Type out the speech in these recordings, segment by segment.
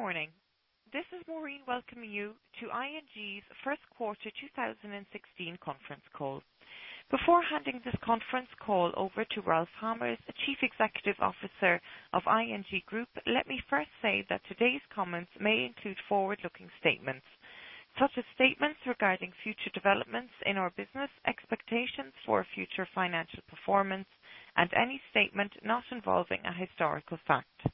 Good morning. This is Maureen welcoming you to ING's first quarter 2016 conference call. Before handing this conference call over to Ralph Hamers, the Chief Executive Officer of ING Groep, let me first say that today's comments may include forward-looking statements. Such as statements regarding future developments in our business, expectations for future financial performance, and any statement not involving a historical fact.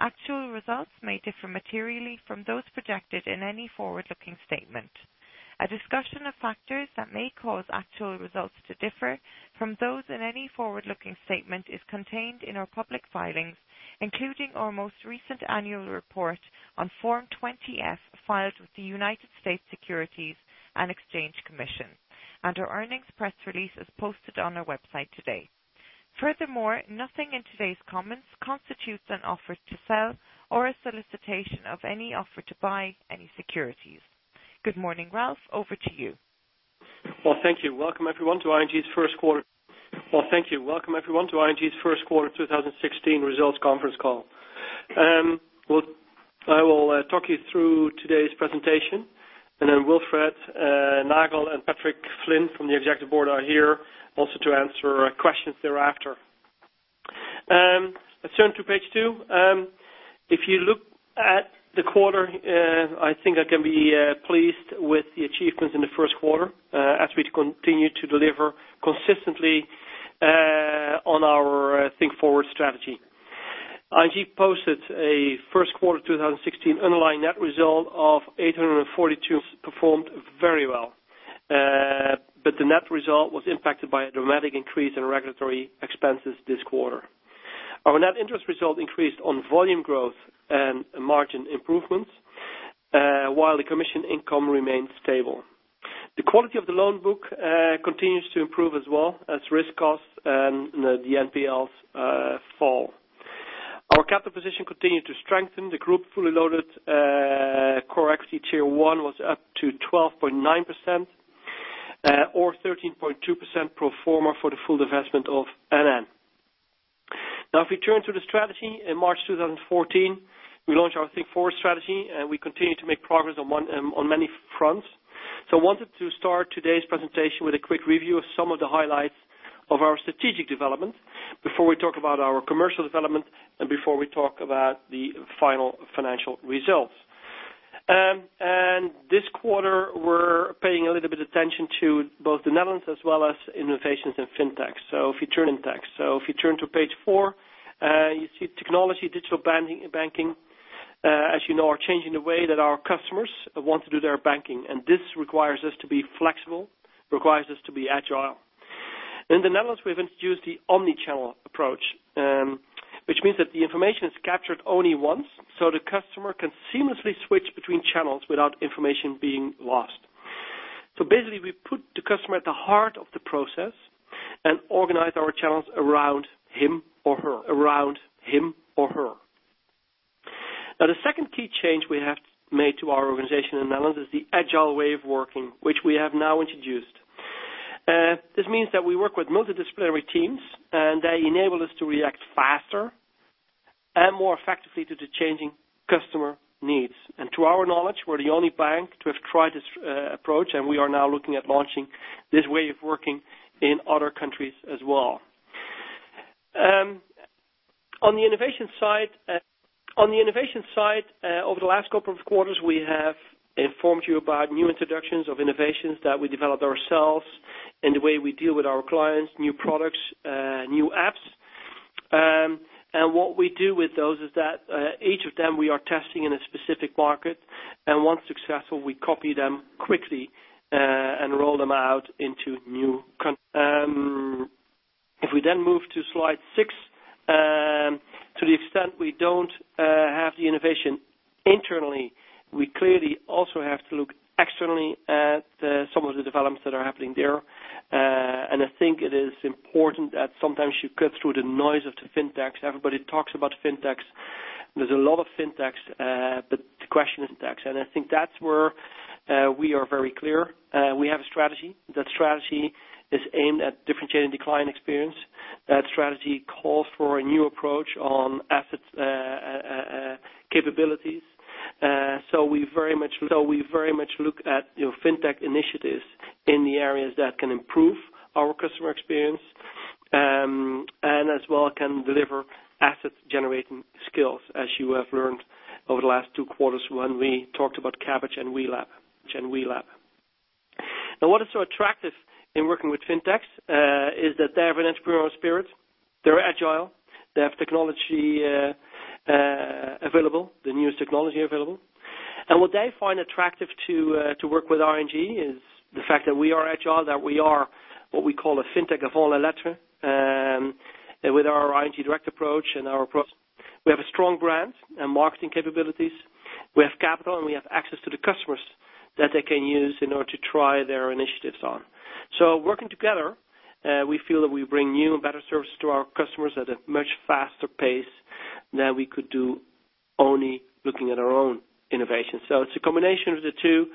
Actual results may differ materially from those projected in any forward-looking statement. A discussion of factors that may cause actual results to differ from those in any forward-looking statement is contained in our public filings, including our most recent annual report on Form 20-F filed with the United States Securities and Exchange Commission, and our earnings press release is posted on our website today. Furthermore, nothing in today's comments constitutes an offer to sell or a solicitation of any offer to buy any securities. Good morning, Ralph. Over to you. Thank you. Welcome everyone to ING's first quarter 2016 results conference call. I will talk you through today's presentation, Wilfred Nagel and Patrick Flynn from the Executive Board are here also to answer questions thereafter. Let's turn to page two. If you look at the quarter, I think I can be pleased with the achievements in the first quarter, as we continue to deliver consistently on our Think Forward strategy. ING posted a first quarter 2016 underlying net result of 842, performed very well. The net result was impacted by a dramatic increase in regulatory expenses this quarter. Our net interest result increased on volume growth and margin improvements, while the commission income remained stable. The quality of the loan book continues to improve as well as risk costs and the NPLs fall. Our capital position continued to strengthen. The group fully loaded Core Equity Tier 1 was up to 12.9% or 13.2% pro forma for the full divestment of NN. If we turn to the strategy, in March 2014, we launched our Think Forward strategy, we continue to make progress on many fronts. I wanted to start today's presentation with a quick review of some of the highlights of our strategic development before we talk about our commercial development and before we talk about the final financial results. This quarter we're paying a little bit attention to both the Netherlands as well as innovations in fintech. If you turn to page four, you see technology, digital banking. As you know, are changing the way that our customers want to do their banking, and this requires us to be flexible, requires us to be agile. In the Netherlands, we've introduced the omni-channel approach, which means that the information is captured only once, so the customer can seamlessly switch between channels without information being lost. Basically, we put the customer at the heart of the process and organize our channels around him or her. The second key change we have made to our organization in the Netherlands is the agile way of working, which we have now introduced. This means that we work with multidisciplinary teams, and they enable us to react faster and more effectively to the changing customer needs. To our knowledge, we're the only bank to have tried this approach, and we are now looking at launching this way of working in other countries as well. On the innovation side, over the last couple of quarters, we have informed you about new introductions of innovations that we developed ourselves in the way we deal with our clients, new products, new apps. What we do with those is that each of them we are testing in a specific market, and once successful, we copy them quickly, and roll them out into new countries. If we then move to slide six, to the extent we don't have the innovation internally, we clearly also have to look externally at some of the developments that are happening there. I think it is important that sometimes you cut through the noise of the fintechs. Everybody talks about fintechs. There's a lot of fintechs, but the question is fintechs. I think that's where we are very clear. We have a strategy. That strategy is aimed at differentiating the client experience. That strategy calls for a new approach on assets capabilities. We very much look at fintech initiatives in the areas that can improve our customer experience, and as well can deliver asset-generating skills, as you have learned over the last two quarters when we talked about Kabbage and WeLab. What is so attractive in working with fintechs is that they have an entrepreneurial spirit. They're agile. They have technology available, the newest technology available. What they find attractive to work with ING is the fact that we are agile, that we are what we call a fintech of all electric. With our ING Direct approach and our approach, we have a strong brand and marketing capabilities. We have capital, and we have access to the customers that they can use in order to try their initiatives on. Working together, we feel that we bring new and better service to our customers at a much faster pace than we could do only looking at our own innovation. It's a combination of the two.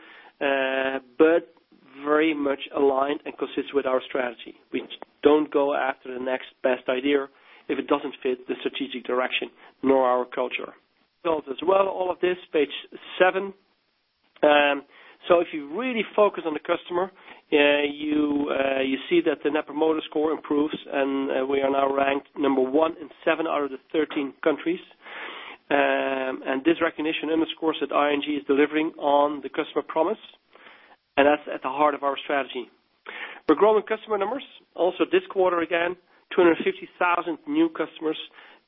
Much aligned and consists with our strategy. We don't go after the next best idea if it doesn't fit the strategic direction, nor our culture. Results as well, all of this page seven. If you really focus on the customer, you see that the Net Promoter Score improves, and we are now ranked number 1 in seven out of the 13 countries. This recognition underscores that ING is delivering on the customer promise, and that's at the heart of our strategy. We're growing customer numbers. Also this quarter, again, 250,000 new customers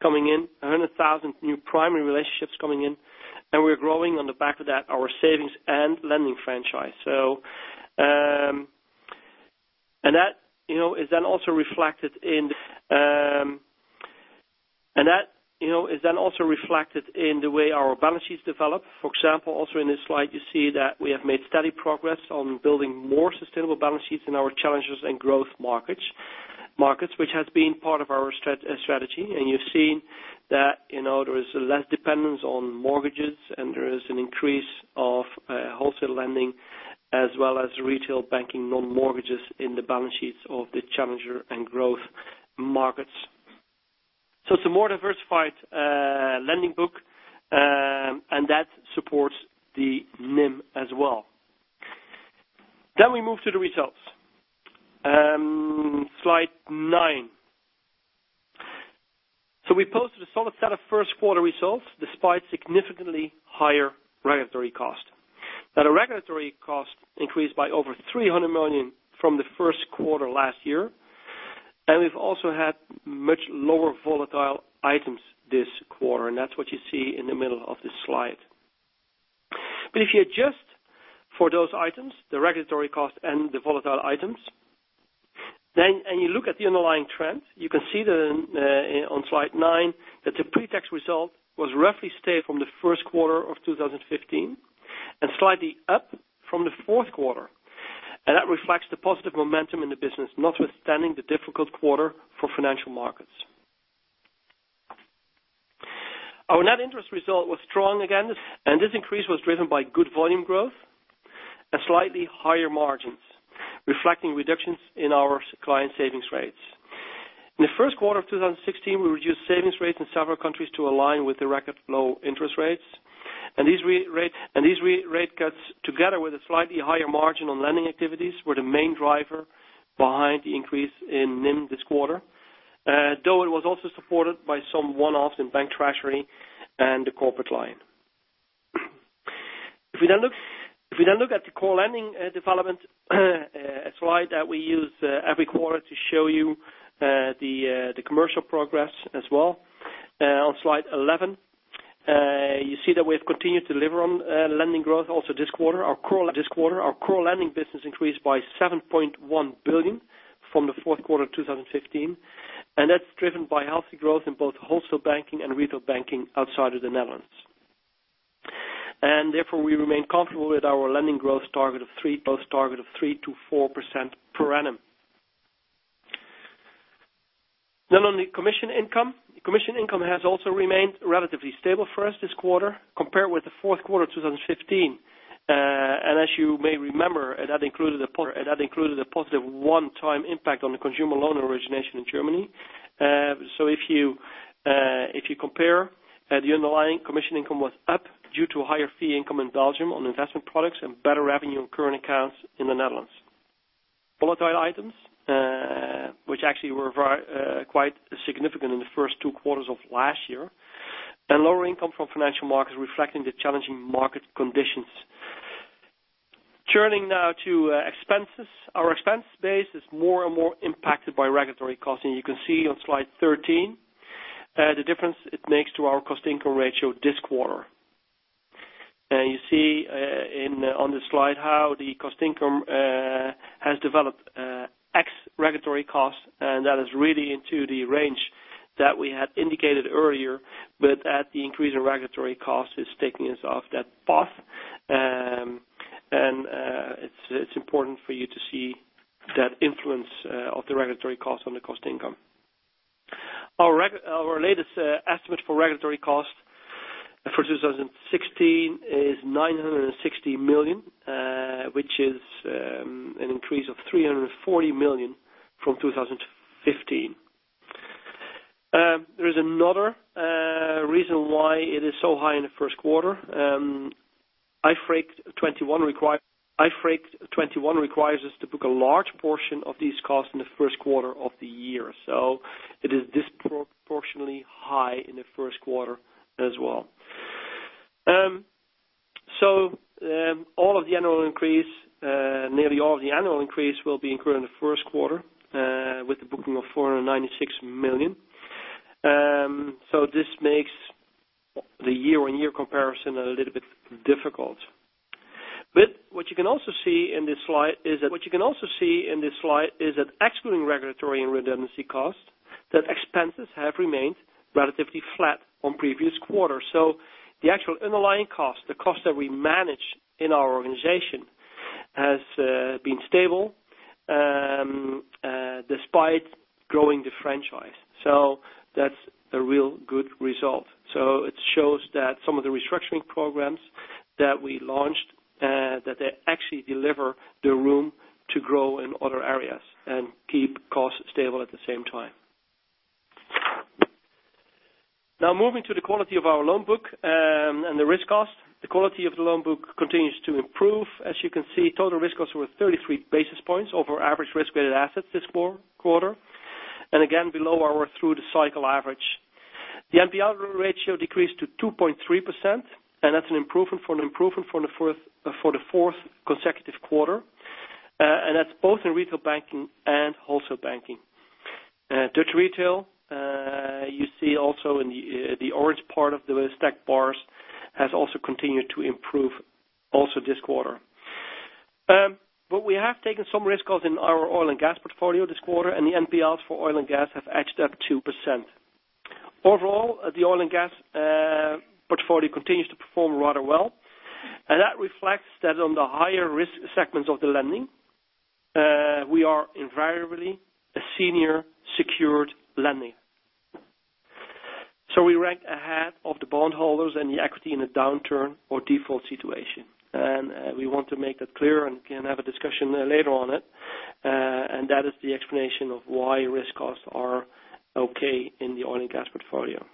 coming in, 100,000 new primary relationships coming in, we're growing on the back of that, our savings and lending franchise. That is then also reflected in the way our balance sheets develop. For example, also in this slide, you see that we have made steady progress on building more sustainable balance sheets in our challenges and growth markets, which has been part of our strategy. You've seen that there is less dependence on mortgages, and there is an increase of wholesale lending, as well as retail banking, non-mortgages in the balance sheets of the challenger and growth markets. It's a more diversified lending book, and that supports the NIM as well. We move to the results. Slide nine. We posted a solid set of first-quarter results despite significantly higher regulatory cost. The regulatory cost increased by over 300 million from the first quarter last year, we've also had much lower volatile items this quarter, that's what you see in the middle of this slide. If you adjust for those items, the regulatory cost and the volatile items, you look at the underlying trend, you can see that on slide nine, that the pre-tax result was roughly stable from the first quarter of 2015, slightly up from the fourth quarter. That reflects the positive momentum in the business, notwithstanding the difficult quarter for financial markets. Our net interest result was strong again, this increase was driven by good volume growth and slightly higher margins, reflecting reductions in our client savings rates. In the first quarter of 2016, we reduced savings rates in several countries to align with the record low interest rates. These rate cuts, together with a slightly higher margin on lending activities, were the main driver behind the increase in NIM this quarter. Though it was also supported by some one-offs in bank treasury and the corporate line. If we then look at the core lending development slide that we use every quarter to show you the commercial progress as well. On slide 11, you see that we have continued to deliver on lending growth also this quarter. Our core lending business increased by 7.1 billion from the fourth quarter of 2015, that's driven by healthy growth in both wholesale banking and retail banking outside of the Netherlands. Therefore, we remain comfortable with our lending growth target of 3%-4% per annum. On the commission income. Commission income has also remained relatively stable for us this quarter compared with the fourth quarter of 2015. As you may remember, and that included a positive one-time impact on the consumer loan origination in Germany. If you compare the underlying commission income was up due to higher fee income in Belgium on investment products and better revenue on current accounts in the Netherlands. Volatile items, which actually were quite significant in the first two quarters of last year. Lower income from financial markets reflecting the challenging market conditions. Turning now to expenses. Our expense base is more and more impacted by regulatory costs, you can see on slide 13, the difference it makes to our cost-income ratio this quarter. You see on the slide how the cost income has developed ex regulatory costs, that is really into the range that we had indicated earlier, but at the increase in regulatory cost is taking us off that path. It's important for you to see that influence of the regulatory costs on the cost-income. Our latest estimate for regulatory costs for 2016 is 960 million, which is an increase of 340 million from 2015. There is another reason why it is so high in the first quarter. IFRIC 21 requires us to book a large portion of these costs in the first quarter of the year. It is disproportionately high in the first quarter as well. All of the annual increase, nearly all of the annual increase will be incurred in the first quarter with the booking of 496 million. This makes the year-on-year comparison a little bit difficult. What you can also see in this slide is that excluding regulatory and redundancy costs, expenses have remained relatively flat on previous quarters. The actual underlying cost, the cost that we manage in our organization, has been stable despite growing the franchise. That's a real good result. It shows that some of the restructuring programs that we launched, that they actually deliver the room to grow in other areas and keep costs stable at the same time. Moving to the quality of our loan book and the risk costs. The quality of the loan book continues to improve. As you can see, total risk costs were 33 basis points over average risk-weighted assets this quarter. Again, below our through-the-cycle average. The NPL ratio decreased to 2.3%, and that's an improvement for the fourth consecutive quarter. That's both in retail banking and wholesale banking. Dutch retail, you see also in the orange part of the stacked bars has also continued to improve also this quarter. We have taken some risk costs in our oil and gas portfolio this quarter, and the NPLs for oil and gas have edged up 2%. Overall, the oil and gas portfolio continues to perform rather well, that reflects that on the higher risk segments of the lending, we are invariably a senior secured lending. We rank ahead of the bondholders and the equity in a downturn or default situation. We want to make that clear and can have a discussion later on it. That is the explanation of why risk costs are okay in the oil and gas portfolio.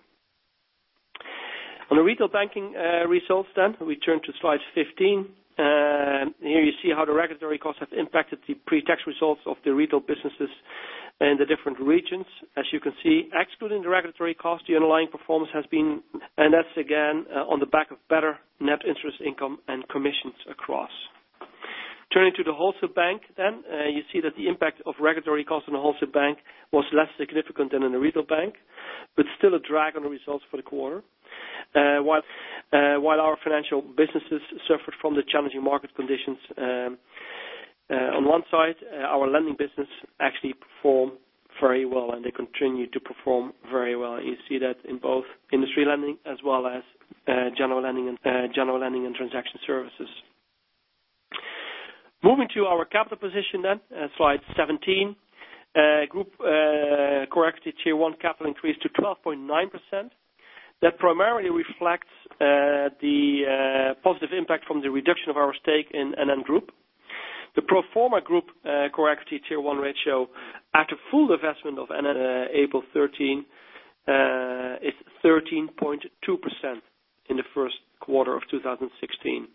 We turn to slide 15. Here you see how the regulatory costs have impacted the pre-tax results of the retail businesses in the different regions. As you can see, excluding the regulatory costs, the underlying performance has been on the back of better Net Interest Income and commissions across. You see that the impact of regulatory costs on the Wholesale Bank was less significant than in the Retail Bank, still a drag on the results for the quarter. While our financial businesses suffered from the challenging market conditions, on one side, our lending business actually performed very well, they continue to perform very well. You see that in both industry lending as well as general lending and transaction services. Slide 17. Group Core Equity Tier 1 capital increased to 12.9%. That primarily reflects the positive impact from the reduction of our stake in NN Group. The pro forma group Core Equity Tier 1 ratio at a full divestment of April 13, is 13.2% in the first quarter of 2016.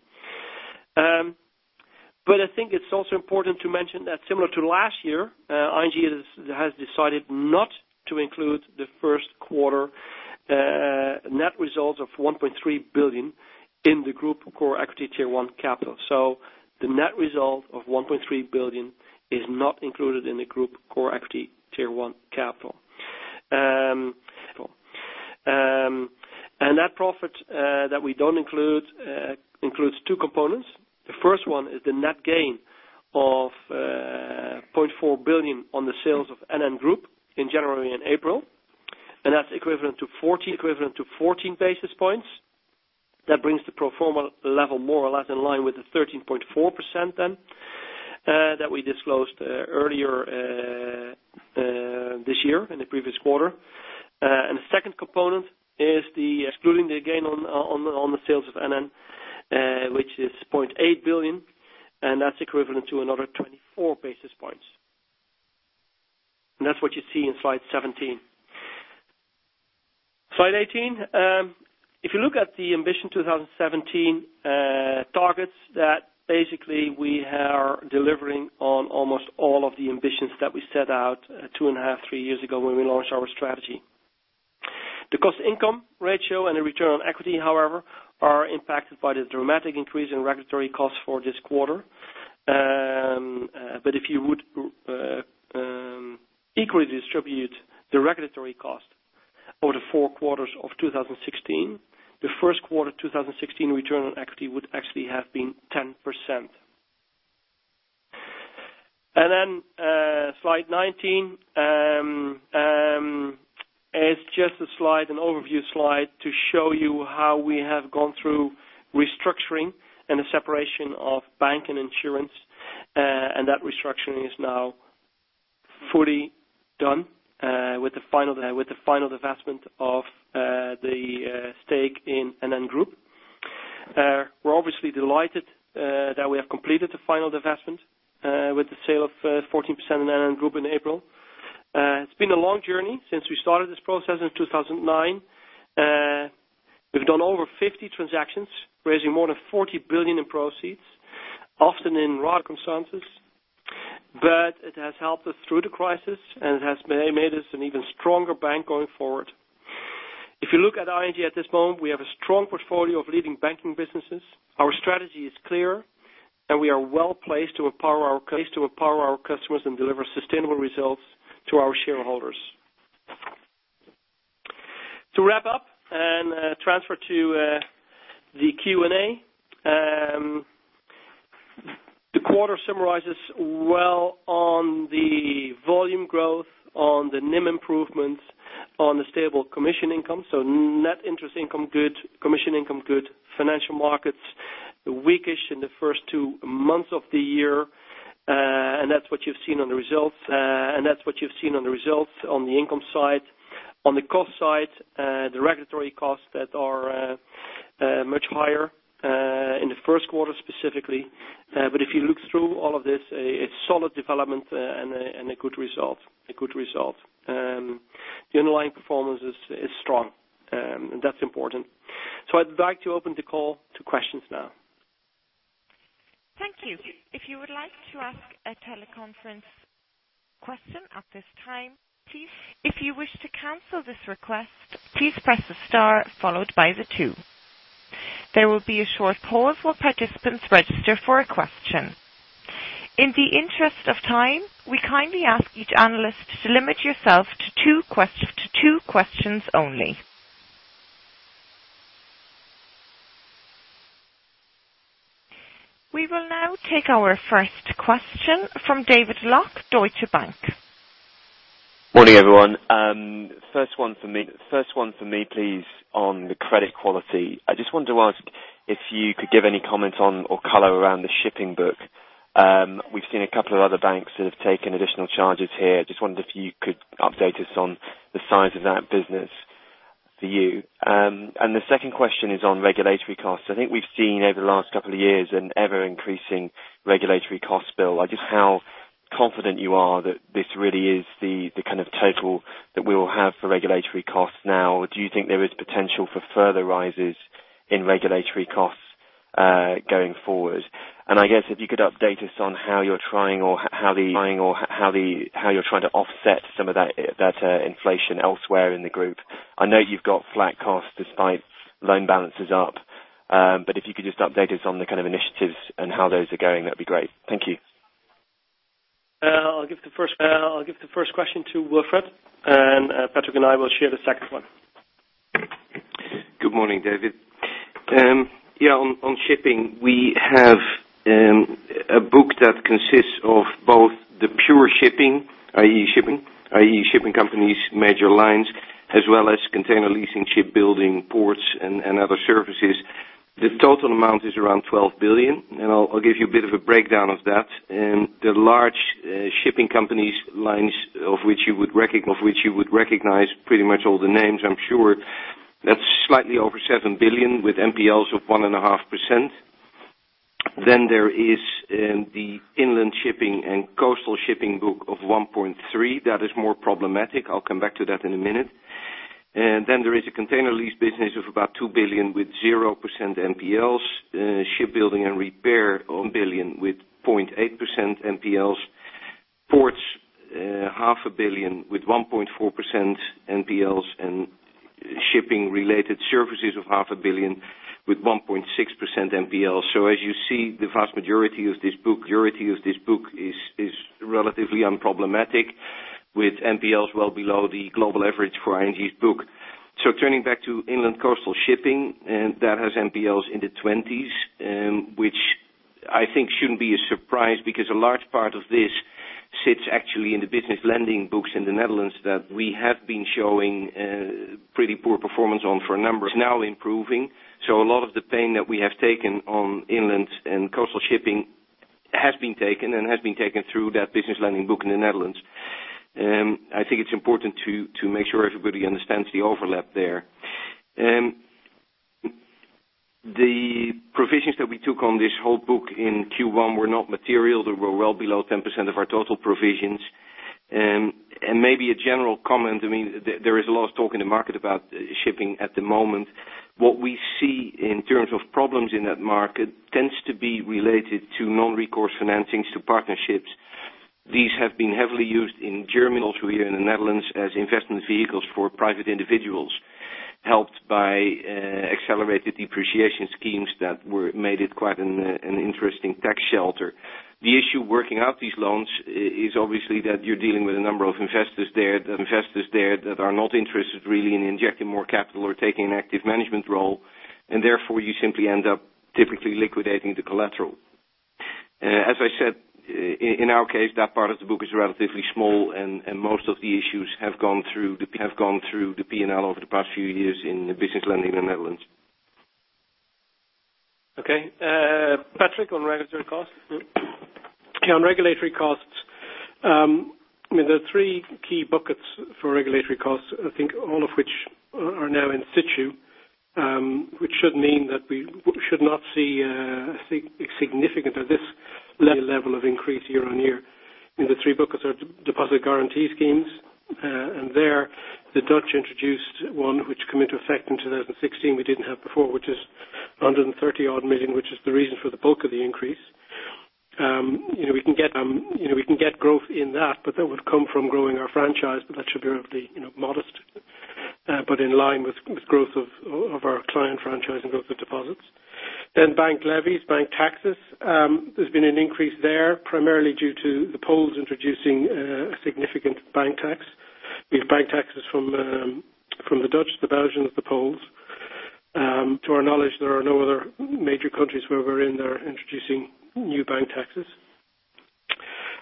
I think it's also important to mention that similar to last year, ING has decided not to include the first quarter net results of 1.3 billion in the group Core Equity Tier 1 capital. The net result of 1.3 billion is not included in the group Core Equity Tier 1 capital. That profit that we don't include, includes two components. The first one is the net gain of 0.4 billion on the sales of NN Group in January and April. That's equivalent to 14 basis points. That brings the pro forma level more or less in line with the 13.4% then, that we disclosed earlier this year in the previous quarter. The second component is excluding the gain on the sales of NN, which is 0.8 billion, and that's equivalent to another 24 basis points. That's what you see in slide 17. Slide 18. If you look at the Ambition 2017 targets, that basically we are delivering on almost all of the ambitions that we set out two and a half, three years ago when we launched our strategy. The cost-income ratio and the return on equity, however, are impacted by the dramatic increase in regulatory costs for this quarter. If you would equally distribute the regulatory cost over the four quarters of 2016, the first quarter 2016 return on equity would actually have been 10%. Then slide 19. It's just an overview slide to show you how we have gone through restructuring and the separation of bank and insurance, and that restructuring is now fully done with the final divestment of the stake in NN Group. We're obviously delighted that we have completed the final divestment with the sale of 14% in NN Group in April. It's been a long journey since we started this process in 2009. We've done over 50 transactions, raising more than $40 billion in proceeds, often in raw consensus, but it has helped us through the crisis, and it has made us an even stronger bank going forward. If you look at ING at this moment, we have a strong portfolio of leading banking businesses. Our strategy is clear, and we are well placed to empower our customers and deliver sustainable results to our shareholders. To wrap up and transfer to the Q&A. The quarter summarizes well on the volume growth, on the NIM improvements, on the stable commission income. Net interest income good, commission income good, financial markets The weakish in the first two months of the year, and that's what you've seen on the results. That's what you've seen on the results on the income side. On the cost side, the regulatory costs that are much higher in the first quarter, specifically. If you look through all of this, it's solid development and a good result. The underlying performance is strong, and that's important. I'd like to open the call to questions now. Thank you. If you would like to ask a teleconference question at this time, please. If you wish to cancel this request, please press the star followed by the two. There will be a short pause while participants register for a question. In the interest of time, we kindly ask each analyst to limit yourself to two questions only. We will now take our first question from David Lock, Deutsche Bank. Morning, everyone. First one for me, please, on the credit quality. I just wanted to ask if you could give any comment on or color around the shipping book. We've seen a couple of other banks that have taken additional charges here. Just wondered if you could update us on the size of that business for you. The second question is on regulatory costs. I think we've seen over the last couple of years an ever-increasing regulatory cost bill. Just how confident you are that this really is the kind of total that we will have for regulatory costs now, or do you think there is potential for further rises in regulatory costs going forward? I guess if you could update us on how you're trying to offset some of that inflation elsewhere in the group. I know you've got flat costs despite loan balances up, but if you could just update us on the kind of initiatives and how those are going, that'd be great. Thank you. I'll give the first question to Wilfred, and Patrick and I will share the second one. Good morning, David. On shipping, we have a book that consists of both the pure shipping, i.e., shipping companies, major lines, as well as container leasing, shipbuilding, ports, and other services. The total amount is around 12 billion, and I'll give you a bit of a breakdown of that. The large shipping companies lines, of which you would recognize pretty much all the names, I'm sure. That's slightly over 7 billion with NPLs of 1.5%. There is the inland shipping and coastal shipping book of 1.3 billion. That is more problematic. I'll come back to that in a minute. There is a container lease business of about 2 billion with 0% NPLs. Shipbuilding and repair, 1 billion with 0.8% NPLs. Ports, EUR half a billion with 1.4% NPLs. And shipping related services of EUR half a billion with 1.6% NPL. As you see, the vast majority of this book is relatively unproblematic, with NPLs well below the global average for ING's book. Turning back to inland coastal shipping, that has NPLs in the 20s, which I think shouldn't be a surprise because a large part of this sits actually in the business lending books in the Netherlands that we have been showing pretty poor performance on for a number. It's now improving. A lot of the pain that we have taken on inland and coastal shipping has been taken, and has been taken through that business lending book in the Netherlands. I think it's important to make sure everybody understands the overlap there. The provisions that we took on this whole book in Q1 were not material. They were well below 10% of our total provisions. Maybe a general comment. There is a lot of talk in the market about shipping at the moment. What we see in terms of problems in that market tends to be related to non-recourse financings to partnerships. These have been heavily used in Germany, also here in the Netherlands, as investment vehicles for private individuals, helped by accelerated depreciation schemes that made it quite an interesting tax shelter. The issue working out these loans is obviously that you're dealing with a number of investors there that are not interested really in injecting more capital or taking an active management role, and therefore you simply end up typically liquidating the collateral. As I said, in our case, that part of the book is relatively small, and most of the issues have gone through the P&L over the past few years in the business lending in the Netherlands. Okay. Patrick, on regulatory costs. On regulatory costs, there are three key buckets for regulatory costs, I think all of which are now in situ, which should mean that we should not see a significant of this level of increase year-on-year. The three buckets are deposit guarantee schemes, and there, the Dutch introduced one which come into effect in 2016 we didn't have before, which is 130 odd million, which is the reason for the bulk of the increase. We can get growth in that, but that would come from growing our franchise, but that should be relatively modest, but in line with growth of our client franchise and growth of deposits. Bank levies, bank taxes. There's been an increase there, primarily due to the Poles introducing a significant bank tax. We have bank taxes from the Dutch, the Belgians, the Poles. To our knowledge, there are no other major countries where we're in there introducing new bank taxes.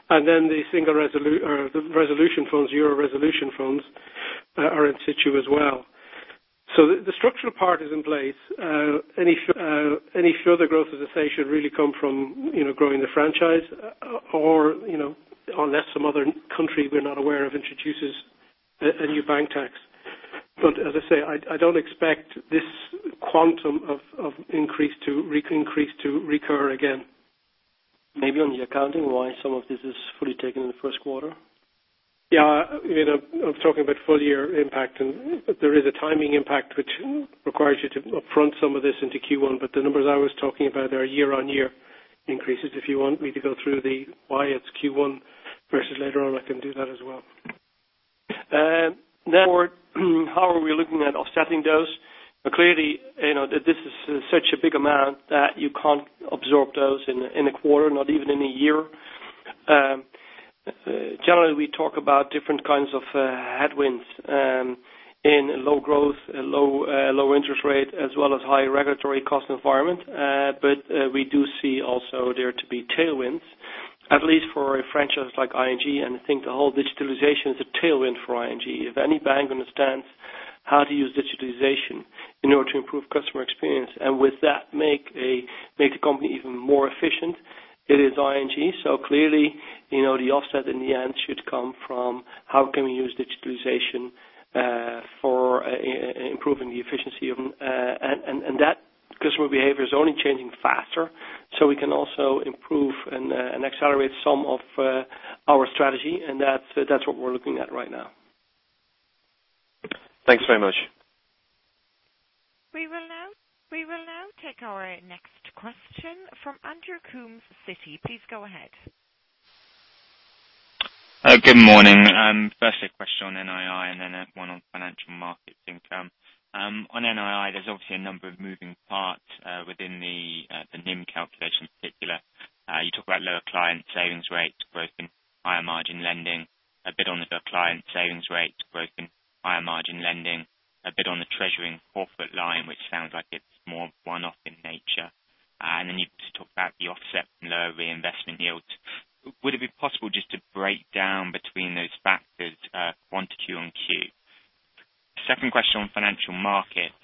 The Single Resolution Fund, euro resolution funds are in situ as well. The structural part is in place. Any further growth, as I say, should really come from growing the franchise, unless some other country we're not aware of introduces a new bank tax. As I say, I don't expect this quantum of increase to recur again. Maybe on the accounting, why some of this is fully taken in the first quarter? Yeah. I'm talking about full year impact, and there is a timing impact which requires you to upfront some of this into Q1, the numbers I was talking about are year-on-year increases. If you want me to go through the why it's Q1 versus later on, I can do that as well. How are we looking at offsetting those? Clearly, this is such a big amount that you can't absorb those in a quarter, not even in a year. Generally, we talk about different kinds of headwinds in low growth, low interest rate, as well as high regulatory cost environment. We do see also there to be tailwinds, at least for a franchise like ING, and I think the whole digitalization is a tailwind for ING. If any bank understands how to use digitalization in order to improve customer experience, and with that make the company even more efficient, it is ING. Clearly, the offset in the end should come from how can we use digitalization for improving the efficiency. That customer behavior is only changing faster, so we can also improve and accelerate some of our strategy, and that's what we're looking at right now. Thanks very much. We will now take our next question from Andrew Coombs, Citi. Please go ahead. Good morning. First a question on NII and then one on financial markets income. On NII, there's obviously a number of moving parts within the NIM calculation in particular. You talk about lower client savings rates, growth in higher margin lending, a bit on the client savings rates, growth in higher margin lending, a bit on the treasury profit line, which sounds like it's more one-off in nature. Then you talk about the offset in the reinvestment yields. Would it be possible just to break down between those factors, one, two, and Q? Second question on financial markets.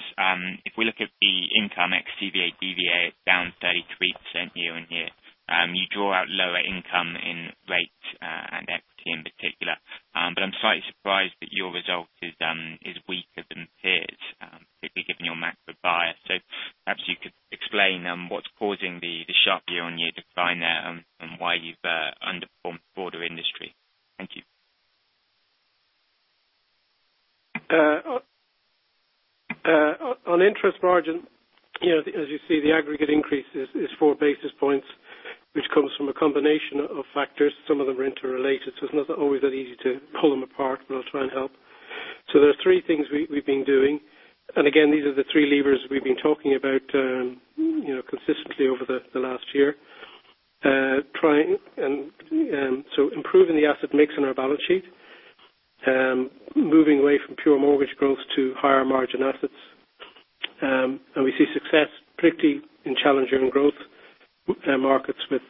If we look at the income ex CVA, DVA down 33% year-on-year. You draw out lower income in rates, and equity in particular. I'm slightly surprised that your result is weaker than peers, particularly given your macro bias. Perhaps you could explain what's causing the sharp year-on-year decline there, and why you've underperformed the broader industry. Thank you. On interest margin, as you see, the aggregate increase is four basis points, which comes from a combination of factors. Some of them are interrelated, so it's not always that easy to pull them apart, but I'll try and help. There's three things we've been doing. Again, these are the three levers we've been talking about consistently over the last year. Improving the asset mix on our balance sheet, moving away from pure mortgage growth to higher margin assets. We see success particularly in challenging growth markets with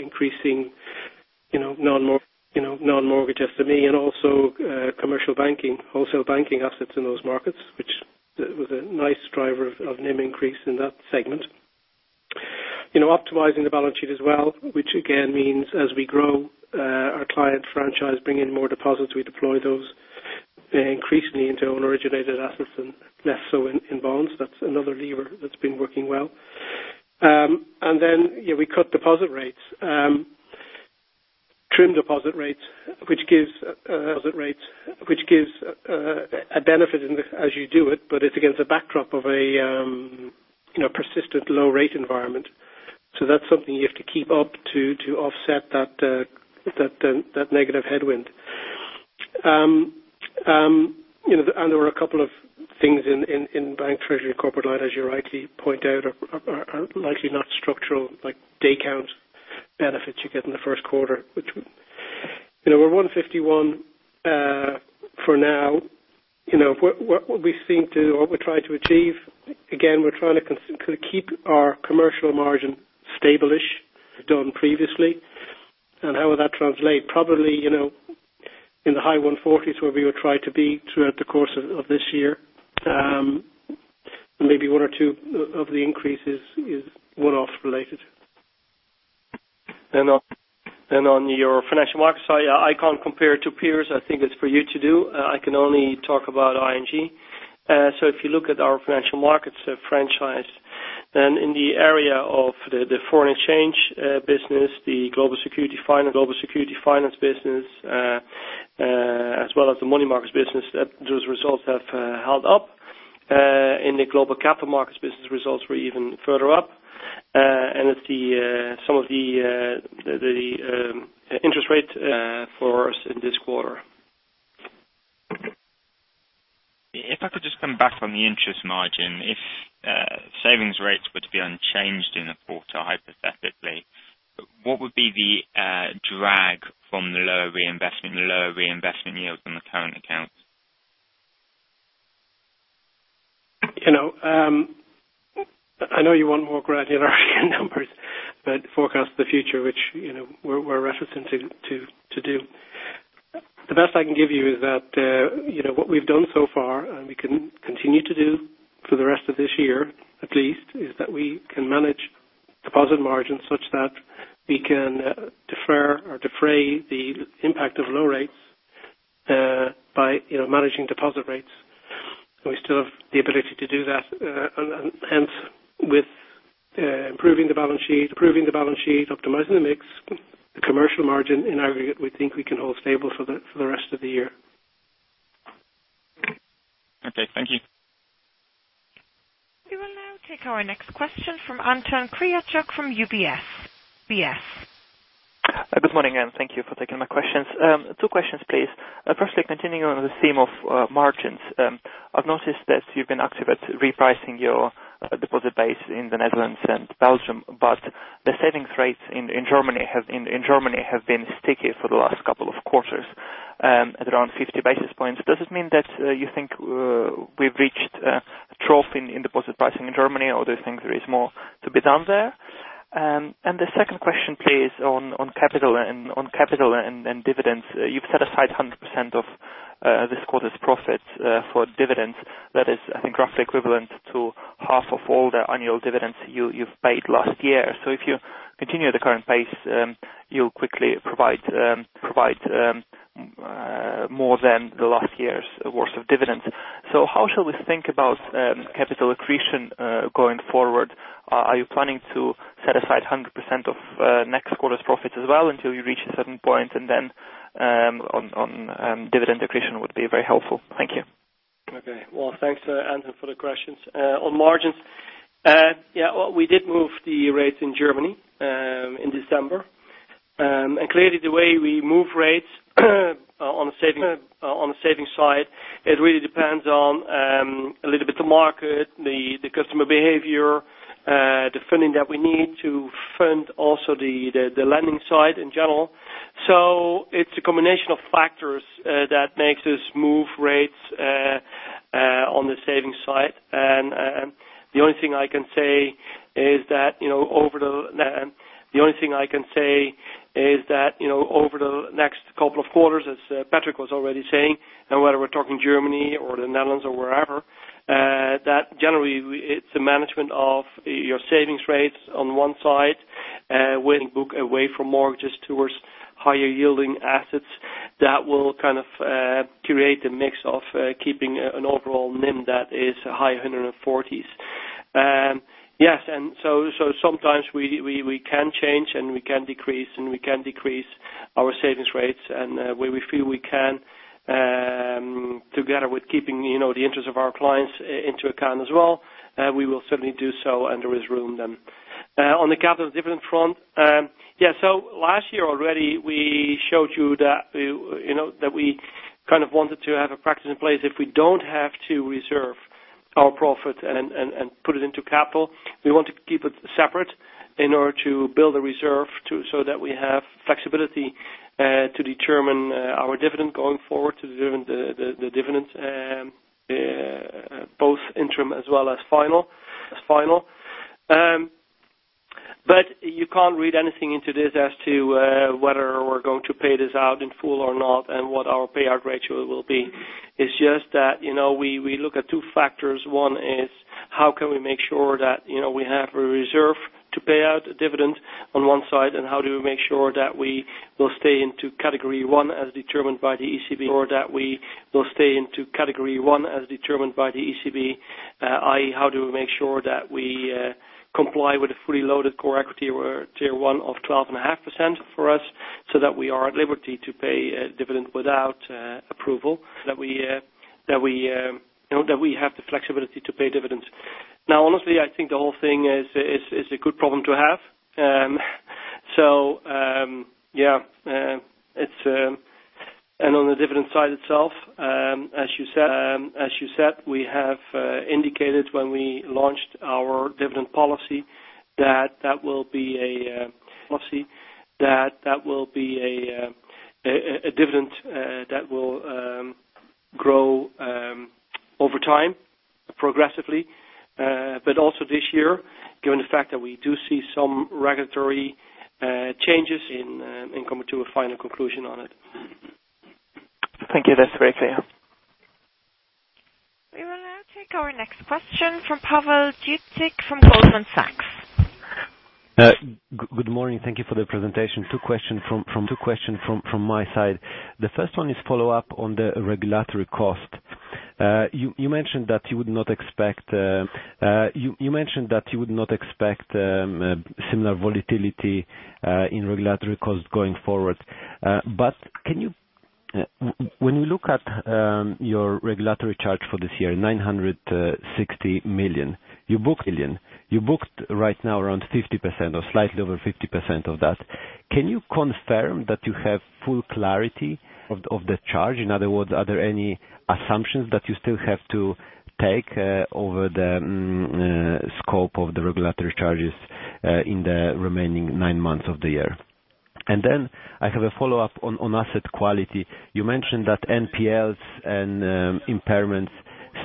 increasing non-mortgage SME and also commercial banking, wholesale banking assets in those markets, which was a nice driver of NIM increase in that segment. Optimizing the balance sheet as well, which again means as we grow our client franchise, bring in more deposits, we deploy those increasingly into own originated assets and less so in bonds. That's another lever that's been working well. Then we cut deposit rates, trim deposit rates, which gives a benefit as you do it, but it's against the backdrop of a persistent low rate environment. That's something you have to keep up to offset that negative headwind. There were a couple of things in bank treasury corporate line, as you rightly point out, are likely not structural, like day count benefits you get in the first quarter. We're 151 for now. What we're trying to achieve, again, we're trying to keep our commercial margin stable-ish, done previously. How will that translate? Probably, in the high 140 is where we will try to be throughout the course of this year. Maybe one or two of the increases is one-off related. On your financial markets side, I can't compare to peers. I think it's for you to do. I can only talk about ING. If you look at our financial markets franchise, then in the area of the foreign exchange business, the global security finance business, as well as the money markets business, those results have held up. In the global capital markets business, results were even further up. And some of the interest rate for us in this quarter. If I could just come back on the interest margin. If savings rates were to be unchanged in the quarter, hypothetically, what would be the drag from the lower reinvestment yields on the current account balance? I know you want more granularity in numbers that forecast the future, which we're reticent to do. The best I can give you is that what we've done so far, and we can continue to do for the rest of this year at least, is that we can manage deposit margins such that we can defer or defray the impact of low rates by managing deposit rates. We still have the ability to do that. Hence, with improving the balance sheet, optimizing the mix, the commercial margin, in aggregate, we think we can hold stable for the rest of the year. Okay, thank you. We will now take our next question from Anton Kryachok from UBS. Good morning. Thank you for taking my questions. Two questions, please. Firstly, continuing on the theme of margins. I've noticed that you've been active at repricing your deposit base in the Netherlands and Belgium, but the savings rates in Germany have been sticky for the last couple of quarters, at around 50 basis points. Does this mean that you think we've reached a trough in deposit pricing in Germany, or do you think there is more to be done there? The second question please, on capital and dividends. You've set aside 100% of this quarter's profit for dividends. That is, I think, roughly equivalent to half of all the annual dividends you've paid last year. If you continue the current pace, you'll quickly provide more than the last year's worth of dividends. How shall we think about capital accretion going forward? Are you planning to set aside 100% of next quarter's profit as well until you reach a certain point? Then on dividend accretion would be very helpful. Thank you. Okay. Well, thanks, Anton, for the questions. On margins, we did move the rates in Germany in December. Clearly the way we move rates on the savings side, it really depends on a little bit the market, the customer behavior, the funding that we need to fund also the lending side in general. It's a combination of factors that makes us move rates on the savings side. The only thing I can say is that over the next couple of quarters, as Patrick was already saying, whether we're talking Germany or the Netherlands or wherever, that generally it's a management of your savings rates on one side, weaning the book away from mortgages towards higher yielding assets that will kind of create a mix of keeping an overall NIM that is high 140s. Sometimes we can change and we can decrease our savings rates. Where we feel we can, together with keeping the interest of our clients into account as well, we will certainly do so and there is room then. On the capital dividend front, last year already we showed you that we kind of wanted to have a practice in place if we don't have to reserve our profit and put it into capital. We want to keep it separate in order to build a reserve so that we have flexibility to determine our dividend going forward, to determine the dividend both interim as well as final. You can't read anything into this as to whether we're going to pay this out in full or not and what our payout ratio will be. It's just that we look at two factors. One is how can we make sure that we have a reserve to pay out a dividend on one side, and how do we make sure that we will stay into category 1 as determined by the ECB, i.e., how do we make sure that we comply with a fully loaded Core Equity or Tier 1 of 12.5% for us, that we are at liberty to pay a dividend without approval, that we have the flexibility to pay dividends. Honestly, I think the whole thing is a good problem to have. On the dividend side itself, as you said, we have indicated when we launched our dividend policy that that will be a dividend that will grow over time progressively. Also this year, given the fact that we do see some regulatory changes in coming to a final conclusion on it. Thank you. That's very clear. We will now take our next question from Pawel Dziedzic from Goldman Sachs. Good morning. Thank you for the presentation. Two question from my side. The first one is follow up on the regulatory cost. You mentioned that you would not expect similar volatility in regulatory cost going forward. When you look at your regulatory charge for this year, 960 million, you booked right now around 50% or slightly over 50% of that. Can you confirm that you have full clarity of the charge? In other words, are there any assumptions that you still have to take over the scope of the regulatory charges in the remaining nine months of the year? I have a follow-up on asset quality. You mentioned that NPLs and impairments